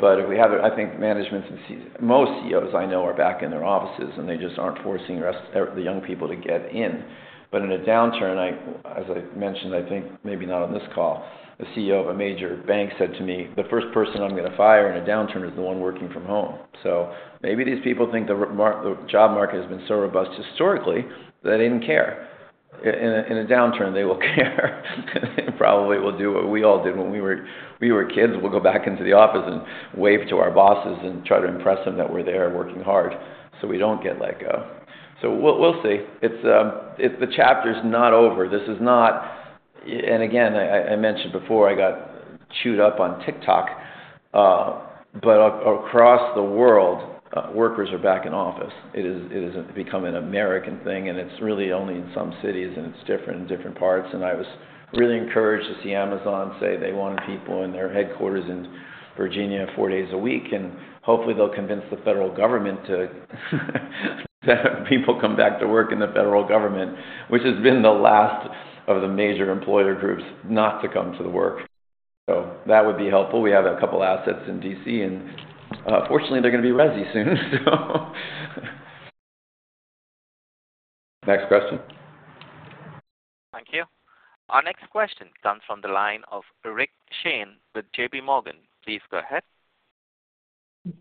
If we have it, I think managements and Most CEOs I know are back in their offices, and they just aren't forcing the rest, the young people to get in. In a downturn, I, as I mentioned, I think maybe not on this call, the CEO of a major bank said to me, "The first person I'm gonna fire in a downturn is the one working from home." Maybe these people think the job market has been so robust historically that they didn't care. In a downturn, they will care. They probably will do what we all did when we were kids. We'll go back into the office and wave to our bosses and try to impress them that we're there working hard, so we don't get let go. We'll, we'll see. It's, it's the chapter's not over. This is not... And again, I, I mentioned before, I got chewed up on TikTok-... Across the world, workers are back in office. It is, it has become an American thing, and it's really only in some cities, and it's different in different parts. I was really encouraged to see Amazon say they wanted people in their headquarters in Virginia four days a week, and hopefully they'll convince the federal government to have people come back to work in the federal government, which has been the last of the major employer groups not to come to the work. That would be helpful. We have a couple assets in D.C., and fortunately, they're going to be resi soon. Next question. Thank you. Our next question comes from the line of Rick Shane with JPMorgan. Please go ahead.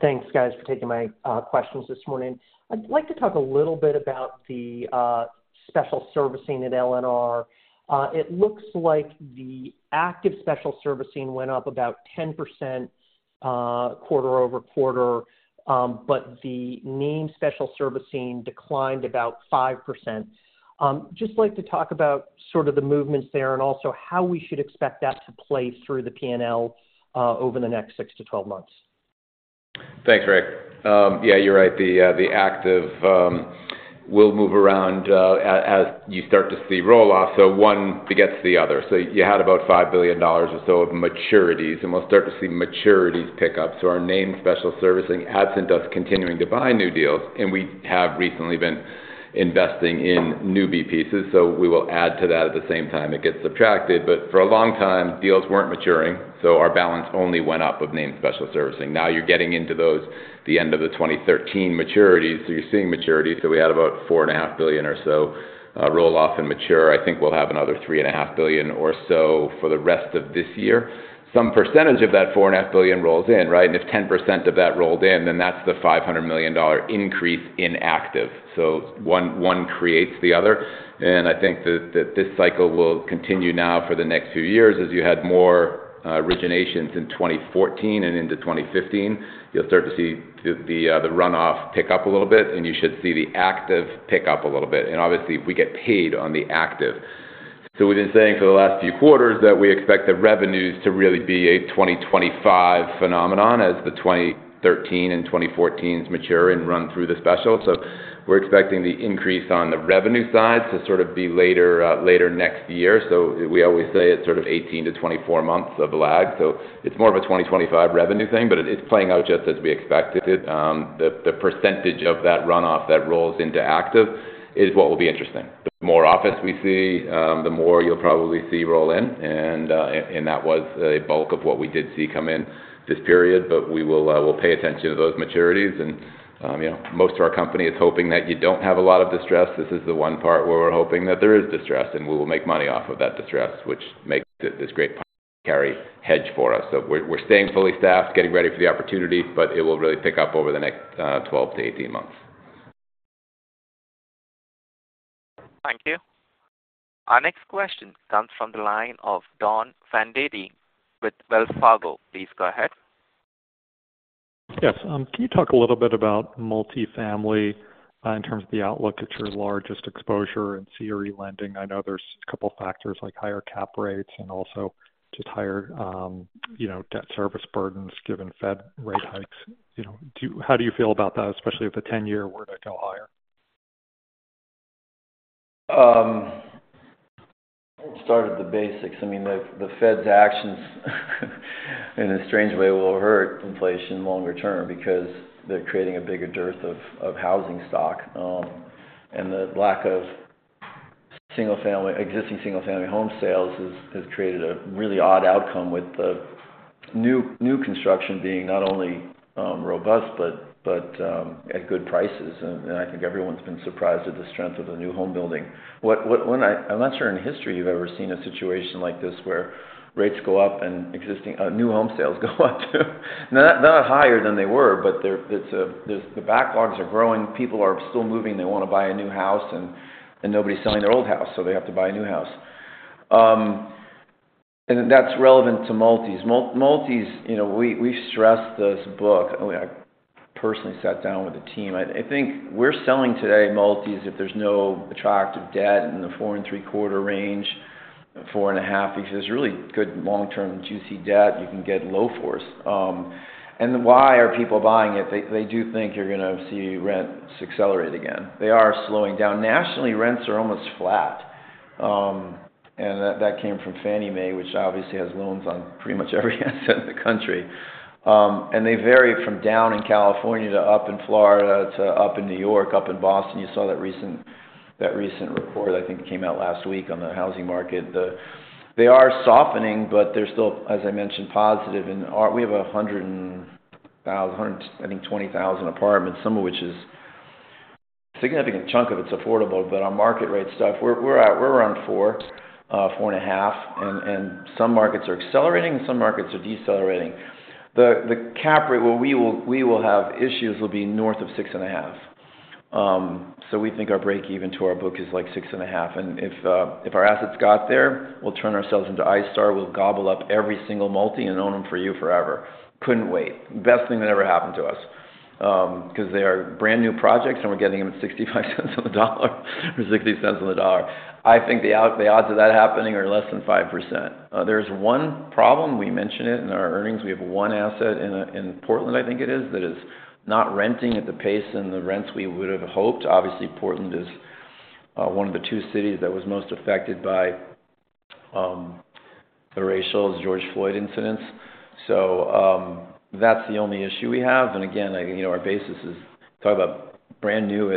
Thanks, guys, for taking my questions this morning. I'd like to talk a little bit about the special servicing at LNR. It looks like the active special servicing went up about 10%, quarter-over-quarter, but the named special servicing declined about 5%. Just like to talk about sort of the movements there, and also how we should expect that to play through the PNL over the next 6-12 months. Thanks, Rick. Yeah, you're right. The active will move around as you start to see roll-off, one begets the other. You had about $5 billion or so of maturities, we'll start to see maturities pick up. Our name, special servicing, absent us continuing to buy new deals, we have recently been investing in new B-pieces, we will add to that at the same time it gets subtracted. For a long time, deals weren't maturing, our balance only went up with name special servicing. You're getting into those, the end of the 2013 maturities, you're seeing maturities. We had about $4.5 billion or so roll off and mature. I think we'll have another $3.5 billion or so for the rest of this year. Some percentage of that $4.5 billion rolls in, right? If 10% of that rolled in, then that's the $500 million increase in active. One creates the other, and I think that this cycle will continue now for the next few years, as you had more originations in 2014 and into 2015. You'll start to see the runoff pick up a little bit, and you should see the active pick up a little bit. Obviously, we get paid on the active. We've been saying for the last few quarters that we expect the revenues to really be a 2025 phenomenon as the 2013 and 2014s mature and run through the special. We're expecting the increase on the revenue side to sort of be later, later next year. We always say it's sort of 18-24 months of lag, so it's more of a 2025 revenue thing, but it's playing out just as we expected it. The percentage of that runoff that rolls into active is what will be interesting. The more office we see, the more you'll probably see roll in, and that was a bulk of what we did see come in this period. We will, we'll pay attention to those maturities. You know, most of our company is hoping that you don't have a lot of distress. This is the one part where we're hoping that there is distress, and we will make money off of that distress, which makes this great carry hedge for us. We're, we're staying fully staffed, getting ready for the opportunity, but it will really pick up over the next 12-18 months. Thank you. Our next question comes from the line of Don Fandetti with Wells Fargo. Please go ahead. Yes, can you talk a little bit about multifamily in terms of the outlook at your largest exposure and CRE lending? I know there's a couple factors, like higher cap rates and also just higher, you know, debt service burdens, given Fed rate hikes. You know, how do you feel about that, especially if the 10-year were to go higher? Start at the basics. I mean, the, the Fed's actions, in a strange way, will hurt inflation longer term because they're creating a bigger dearth of, of housing stock. The lack of single-family, existing single-family home sales has created a really odd outcome with the new, new construction being not only robust, but at good prices. I think everyone's been surprised at the strength of the new home building. I'm not sure in history you've ever seen a situation like this, where rates go up and existing new home sales go up too. Not higher than they were, but it's, the backlogs are growing. People are still moving. They want to buy a new house, and nobody's selling their old house, so they have to buy a new house. That's relevant to multis. multis, you know, we've, we've stressed this book. I mean, I personally sat down with the team. I, I think we're selling today, multis, if there's no attractive debt in the 4.75% range, 4.5%, because there's really good long-term juicy debt you can get low for. Why are people buying it? They, they do think you're gonna see rents accelerate again. They are slowing down. Nationally, rents are almost flat, and that, that came from Fannie Mae, which obviously has loans on pretty much every asset in the country. They vary from down in California, to up in Florida, to up in New York, up in Boston. You saw that recent, that recent report, I think it came out last week, on the housing market. They are softening, they're still, as I mentioned, positive. We have 100,000, I think 20,000 apartments, some of which is... Significant chunk of it's affordable, our market rate stuff, we're, we're at, we're around four, 4.5, and some markets are accelerating, and some markets are decelerating. The cap rate, well, we will, we will have issues, will be north of 6.5. We think our break-even to our book is, like, 6.5, if our assets got there, we'll turn ourselves into iStar. We'll gobble up every single multi and own them for you forever. Couldn't wait. Best thing that ever happened to us.... Because they are brand new projects, and we're getting them at $0.65 on the dollar, or $0.60 on the dollar. I think the out- the odds of that happening are less than 5%. There's one problem. We mentioned it in our earnings. We have one asset in Portland, I think it is, that is not renting at the pace and the rents we would have hoped. Obviously, Portland is one of the two cities that was most affected by the racial George Floyd incidents. That's the only issue we have. Again, you know, our basis is talk about brand new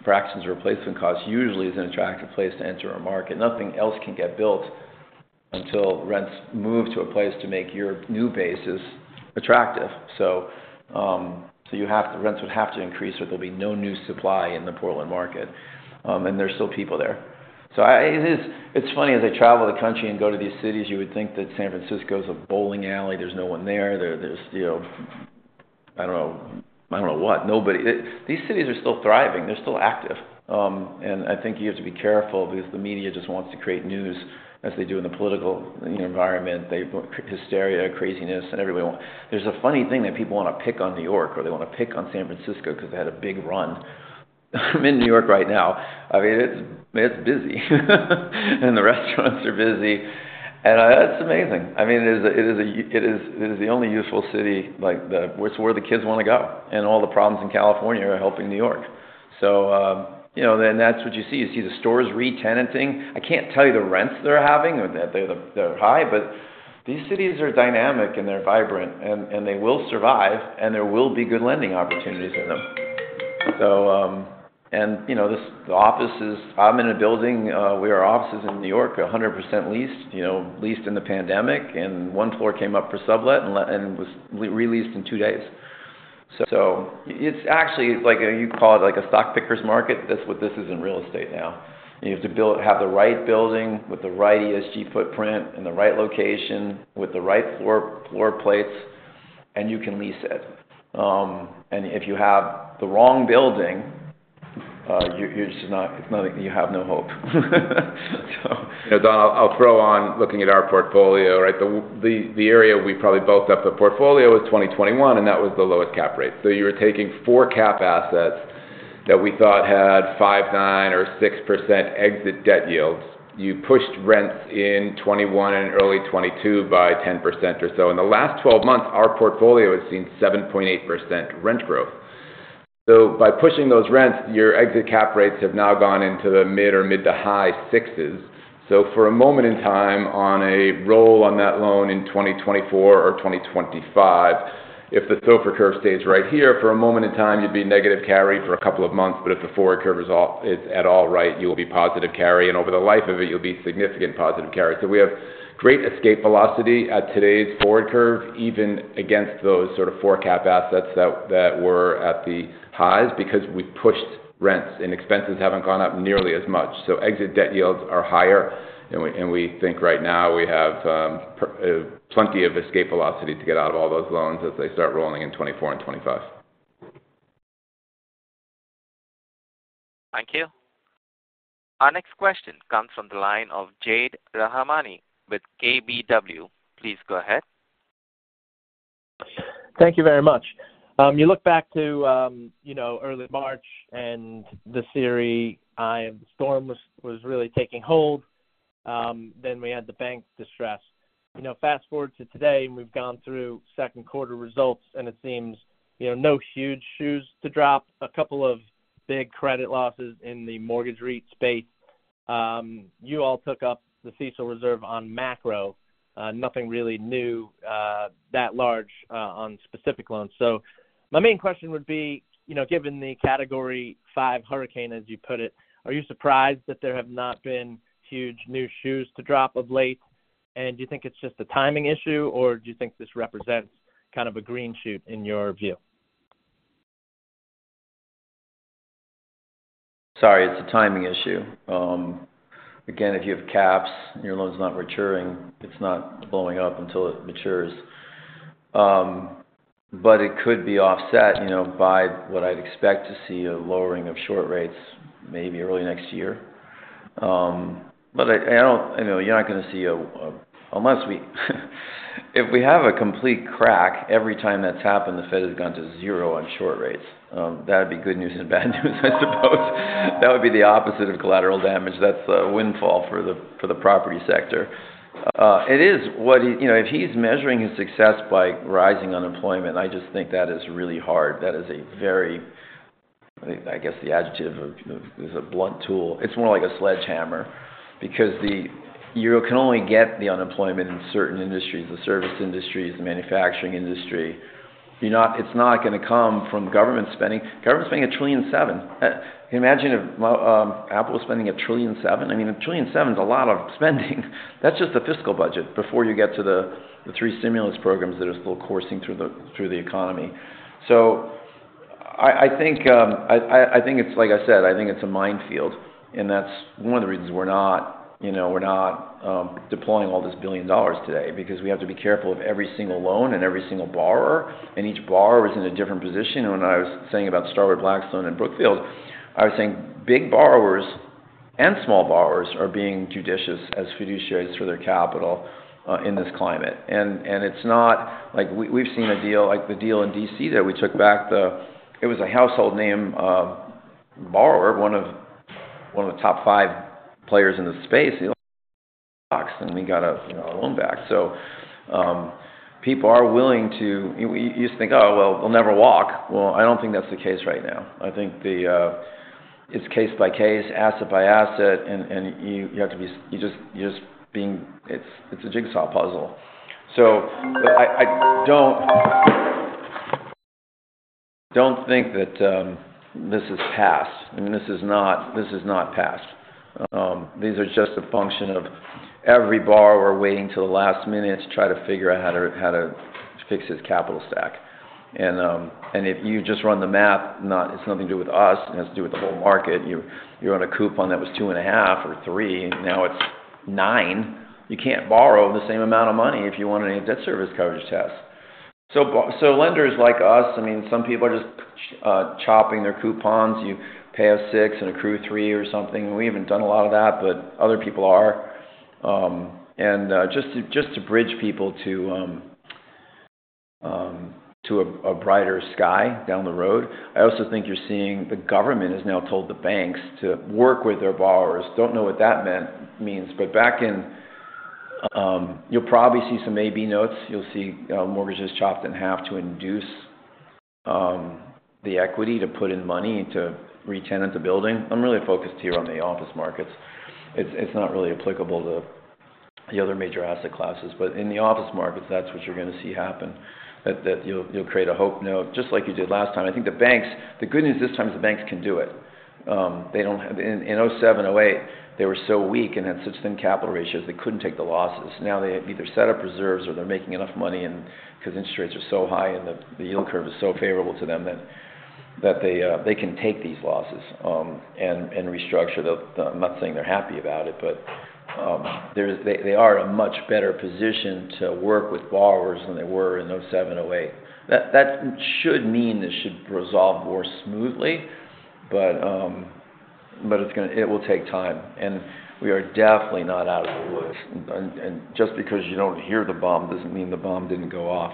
at fractions replacement cost usually is an attractive place to enter a market. Nothing else can get built until rents move to a place to make your new bases attractive. You have-- the rents would have to increase, or there'll be no new supply in the Portland market. There's still people there. It is-- it's funny, as I travel the country and go to these cities, you would think that San Francisco is a bowling alley. There's no one there. There, there's, you know, I don't know. I don't know what. Nobody. These cities are still thriving. They're still active. I think you have to be careful because the media just wants to create news as they do in the political, you know, environment. They-- hysteria, craziness, and everybody want. There's a funny thing that people wanna pick on New York, or they wanna pick on San Francisco 'cause they had a big run. I'm in New York right now. I mean, it's, it's busy, and the restaurants are busy, and it's amazing. I mean, it is a, it is a y- it is, it is the only useful city, like, the- it's where the kids wanna go, and all the problems in California are helping New York. You know, then that's what you see. You see the stores retenanting. I can't tell you the rents they're having, or that they're, they're high, but these cities are dynamic, and they're vibrant, and, and they will survive, and there will be good lending opportunities in them. And, you know, this, the office is... I'm in a building, where our office is in New York, 100% leased. You know, leased in the pandemic, and 1 floor came up for sublet and le- and was re-released in 2 days. It's actually like, you call it, like, a stock picker's market. That's what this is in real estate now. You have to have the right building with the right ESG footprint, and the right location with the right floor, floor plates, and you can lease it. If you have the wrong building, you're just not, you have no hope. You know, Don, I'll throw on looking at our portfolio, right? The area we probably built up the portfolio was 2021, and that was the lowest cap rate. You were taking 4 cap assets that we thought had 5.9% or 6% exit debt yields. You pushed rents in 2021 and early 2022 by 10% or so. In the last twelve months, our portfolio has seen 7.8% rent growth. By pushing those rents, your exit cap rates have now gone into the mid or mid-to-high 6s. For a moment in time, on a roll on that loan in 2024 or 2025, if the SOFR curve stays right here for a moment in time, you'd be negative carry for a couple of months, but if the forward curve is at all right, you'll be positive carry, and over the life of it, you'll be significant positive carry. We have great escape velocity at today's forward curve, even against those sort of 4 cap assets that, that were at the highs, because we pushed rents, and expenses haven't gone up nearly as much. Exit debt yields are higher, and we, and we think right now we have plenty of escape velocity to get out of all those loans as they start rolling in 2024 and 2025. Thank you. Our next question comes from the line of Jade Rahmani with KBW. Please go ahead. Thank you very much. You look back to, you know, early March and the uncertain was, was really taking hold. We had the bank distress. You know, fast forward to today, we've gone through second quarter results, and it seems, you know, no huge shoes to drop. A couple of big credit losses in the mortgage REIT space. You all took up the CECL reserve on macro. Nothing really new, that large, on specific loans. My main question would be, you know, given the Category 5 hurricane, as you put it, are you surprised that there have not been huge new shoes to drop of late? Do you think it's just a timing issue, or do you think this represents kind of a green shoot in your view? Sorry, it's a timing issue. Again, if you have caps and your loan's not maturing, it's not blowing up until it matures. It could be offset, you know, by what I'd expect to see, a lowering of short rates, maybe early next year. I, I don't- you know, you're not gonna see Unless we, if we have a complete crack, every time that's happened, the Fed has gone to zero on short rates. That would be good news and bad news, I suppose. That would be the opposite of collateral damage. That's a windfall for the, for the property sector. You know, if he's measuring his success by rising unemployment, I just think that is really hard. That is a very, I, I guess, the adjective, is a blunt tool. It's more like a sledgehammer because you can only get the unemployment in certain industries, the service industries, the manufacturing industry. You're not gonna come from government spending. Government spending $1.7 trillion. Can you imagine if, well, Apple was spending $1.7 trillion? I mean, $1.7 trillion is a lot of spending. That's just the fiscal budget before you get to the, the three stimulus programs that are still coursing through the, through the economy. I, I think, I, I, I think it's like I said, I think it's a minefield, and that's one of the reasons we're not, you know, we're not deploying all these billion dollars today, because we have to be careful of every single loan and every single borrower, and each borrower is in a different position. When I was saying about Starwood, Blackstone, and Brookfield, I was saying big borrowers and small borrowers are being judicious as fiduciaries for their capital in this climate. It's not like we, we've seen a deal like the deal in D.C., that we took back. It was a household name borrower, one of, one of the top five players in the space, and we got a, you know, a loan back. People are willing to. You, you just think, "Oh, well, we'll never walk." Well, I don't think that's the case right now. I think the. It's case by case, asset by asset, and you, you have to be. You just, you just. It's, it's a jigsaw puzzle. But I, I don't, don't think that this is past. I mean, this is not, this is not past. These are just a function of every borrower waiting till the last minute to try to figure out how to, how to fix his capital stack. If you just run the math, it's nothing to do with us, and it has to do with the whole market. You, you own a coupon that was 2.5% or 3%, and now it's 9%. You can't borrow the same amount of money if you want any of that service coverage test. Lenders like us, I mean, some people are just chopping their coupons. You pay a 6% and accrue 3% or something. We haven't done a lot of that, but other people are. Just to, just to bridge people to, to a, a brighter sky down the road. I also think you're seeing the government has now told the banks to work with their borrowers. Don't know what that meant, means. You'll probably see some AB notes. You'll see mortgages chopped in half to induce the equity, to put in money to retenant the building. I'm really focused here on the office markets. It's, it's not really applicable to the other major asset classes. In the office markets, that's what you're gonna see happen. That you'll create a hope note, just like you did last time. I think the banks. The good news this time is the banks can do it. In 2007, 2008, they were so weak and had such thin capital ratios, they couldn't take the losses. They have either set up reserves or they're making enough money because interest rates are so high and the yield curve is so favorable to them, that they can take these losses and restructure. I'm not saying they're happy about it, but they are in a much better position to work with borrowers than they were in 2007, 2008. That should mean this should resolve more smoothly, but it will take time, and we are definitely not out of the woods. Just because you don't hear the bomb, doesn't mean the bomb didn't go off.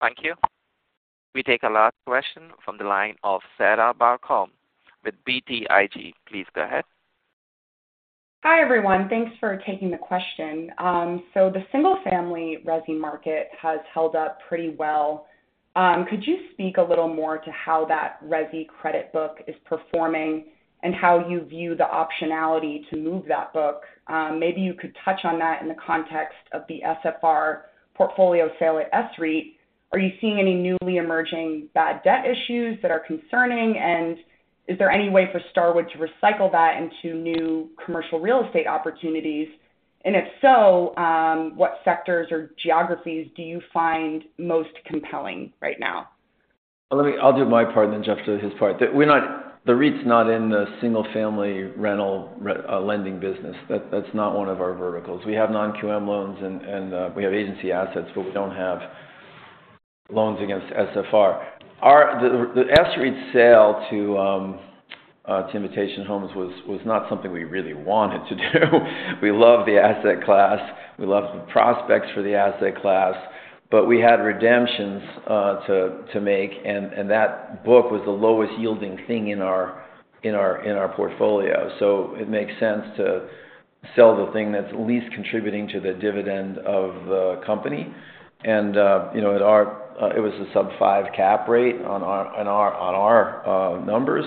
Thank you. We take our last question from the line of Sarah Barcomb with BTIG. Please go ahead. Hi, everyone. Thanks for taking the question. The single-family residential market has held up pretty well. Could you speak a little more to how that residential credit book is performing, and how you view the optionality to move that book? Maybe you could touch on that in the context of the SFR portfolio sale at SREIT. Are you seeing any newly emerging bad debt issues that are concerning? Is there any way for Starwood to recycle that into new commercial real estate opportunities? If so, what sectors or geographies do you find most compelling right now? I'll do my part and then Jeff will do his part. The REIT's not in the single-family rental lending business. That's not one of our verticals. We have non-QM loans and, and we have agency assets, but we don't have loans against SFR. The SREIT sale to Invitation Homes was not something we really wanted to do. We love the asset class, we love the prospects for the asset class, but we had redemptions to make, and that book was the lowest-yielding thing in our, in our, in our portfolio. It makes sense to sell the thing that's least contributing to the dividend of the company. You know, it was a sub 5 cap rate on our, on our, on our numbers.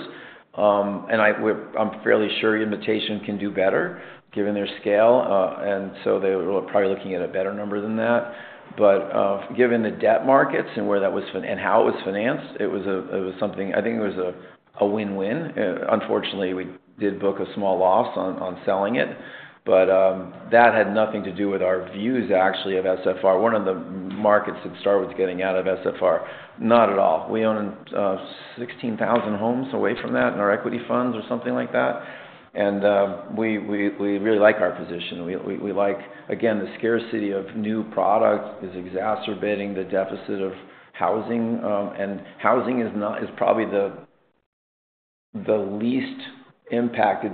I'm fairly sure Invitation can do better, given their scale, and so they were probably looking at a better number than that. Given the debt markets and where that was fi- and how it was financed, it was a, it was something. I think it was a, a win-win. Unfortunately, we did book a small loss on, on selling it, but that had nothing to do with our views, actually, of SFR. One of the markets that Starwood's getting out of SFR, not at all. We own, 16,000 homes away from that in our equity funds or something like that, and we, we, we really like our position. We, we, we like. Again, the scarcity of new product is exacerbating the deficit of housing. Housing is probably the, the least impacted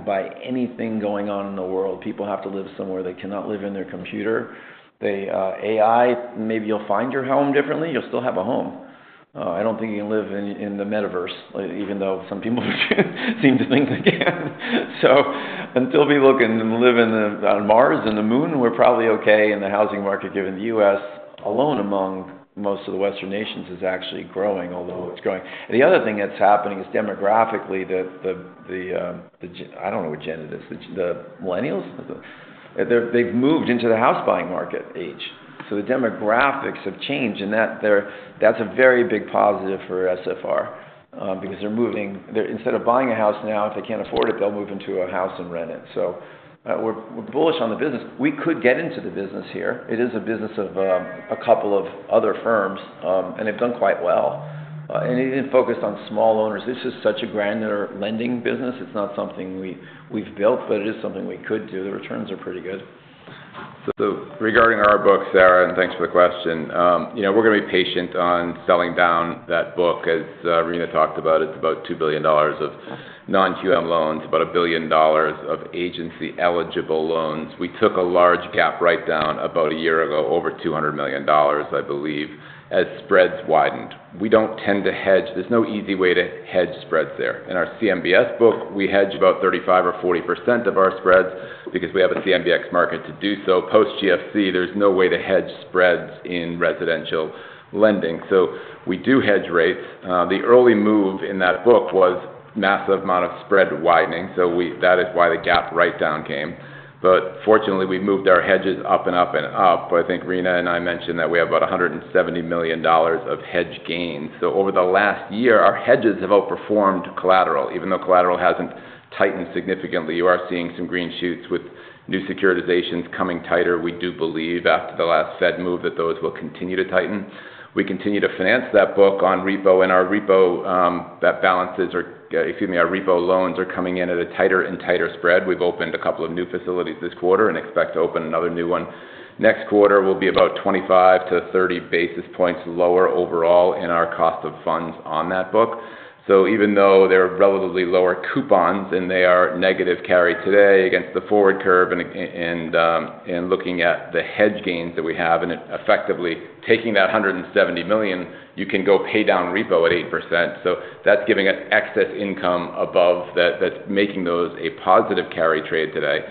by anything going on in the world. People have to live somewhere. They cannot live in their computer. They, AI, maybe you'll find your home differently. You'll still have a home. I don't think you can live in, in the metaverse, even though some people seem to think they can. Until people can live in the, on Mars and the Moon, we're probably okay in the housing market, given the U.S., alone among most of the Western nations, is actually growing, although it's growing. The other thing that's happening is demographically, the, the, the, I don't know which gen it is, the millennials? They've, they've moved into the house buying market age. The demographics have changed, and that, that's a very big positive for SFR because they're moving. They're instead of buying a house now, if they can't afford it, they'll move into a house and rent it. We're, we're bullish on the business. We could get into the business here. It is a business of a couple of other firms, and they've done quite well.... Even focused on small owners. This is such a grander lending business. It's not something we, we've built, but it is something we could do. The returns are pretty good. Regarding our books, Sarah, and thanks for the question. You know, we're gonna be patient on selling down that book. As Rina talked about, it's about $2 billion of non-QM loans, about $1 billion of agency-eligible loans. We took a large GAAP write down about a year ago, over $200 million, I believe, as spreads widened. We don't tend to hedge. There's no easy way to hedge spreads there. In our CMBS book, we hedge about 35% or 40% of our spreads because we have a CMBS market to do so. Post GFC, there's no way to hedge spreads in residential lending. We do hedge rates. The early move in that book was massive amount of spread widening, so that is why the GAAP write down came. Fortunately, we've moved our hedges up and up and up. I think Rina and I mentioned that we have about $170 million of hedge gains. Over the last year, our hedges have outperformed collateral. Even though collateral hasn't tightened significantly, you are seeing some green shoots with new securitizations coming tighter. We do believe, after the last Fed move, that those will continue to tighten. We continue to finance that book on repo, and our repo, Excuse me, our repo loans are coming in at a tighter and tighter spread. We've opened a couple of new facilities this quarter and expect to open another new one. Next quarter will be about 25-30 basis points lower overall in our cost of funds on that book. Even though they're relatively lower coupons, and they are negative carry today against the forward curve, and, and looking at the hedge gains that we have, and effectively taking that $170 million, you can go pay down repo at 8%. That's giving us excess income above that, that's making those a positive carry trade today.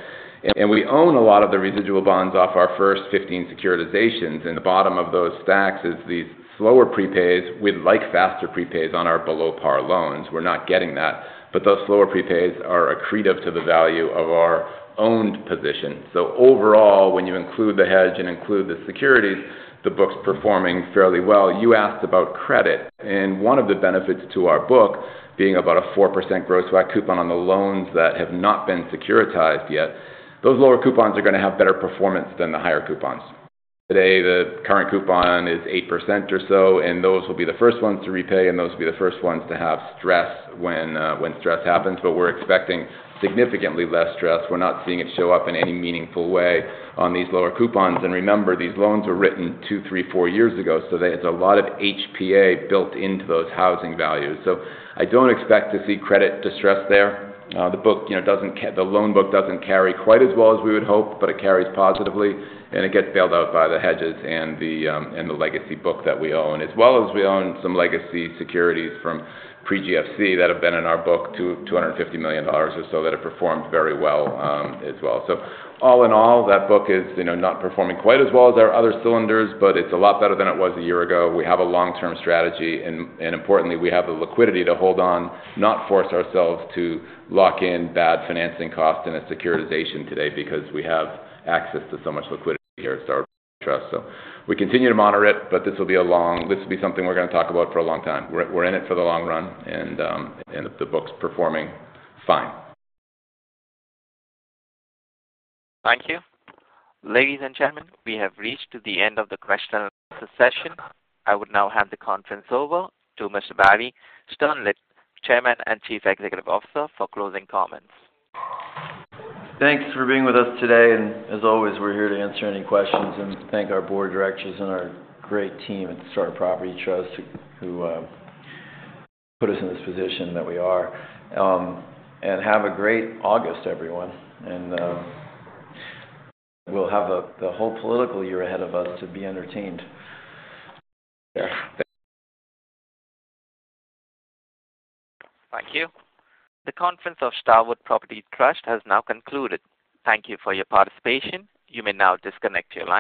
We own a lot of the residual bonds off our first 15 securitizations, and the bottom of those stacks is these slower prepays. We'd like faster prepays on our below-par loans. We're not getting that, but those slower prepays are accretive to the value of our owned position. Overall, when you include the hedge and include the securities, the book's performing fairly well. You asked about credit, one of the benefits to our book being about a 4% gross back coupon on the loans that have not been securitized yet, those lower coupons are gonna have better performance than the higher coupons. Today, the current coupon is 8% or so, those will be the first ones to repay, those will be the first ones to have stress when stress happens. We're expecting significantly less stress. We're not seeing it show up in any meaningful way on these lower coupons. Remember, these loans were written two, three, four years ago, there's a lot of HPA built into those housing values. I don't expect to see credit distress there. The book, you know, the loan book doesn't carry quite as well as we would hope, but it carries positively, and it gets bailed out by the hedges and the and the legacy book that we own. As well as we own some legacy securities from pre-GFC that have been in our book, $250 million or so, that have performed very well as well. All in all, that book is, you know, not performing quite as well as our other cylinders, but it's a lot better than it was a year ago. We have a long-term strategy, and importantly, we have the liquidity to hold on, not force ourselves to lock in bad financing costs in a securitization today because we have access to so much liquidity here at Starwood Property Trust. We continue to monitor it, but this will be a long. This will be something we're gonna talk about for a long time. We're, we're in it for the long run, and the book's performing fine. Thank you. Ladies and gentlemen, we have reached the end of the question and answer session. I would now hand the conference over to Mr. Barry Sternlicht, Chairman and Chief Executive Officer, for closing comments. Thanks for being with us today, and as always, we're here to answer any questions and thank our board of directors and our great team at Starwood Property Trust, who put us in this position that we are. Have a great August, everyone, and we'll have the, the whole political year ahead of us to be entertained. Yeah. Thank you. The conference of Starwood Property Trust has now concluded. Thank you for your participation. You may now disconnect your line.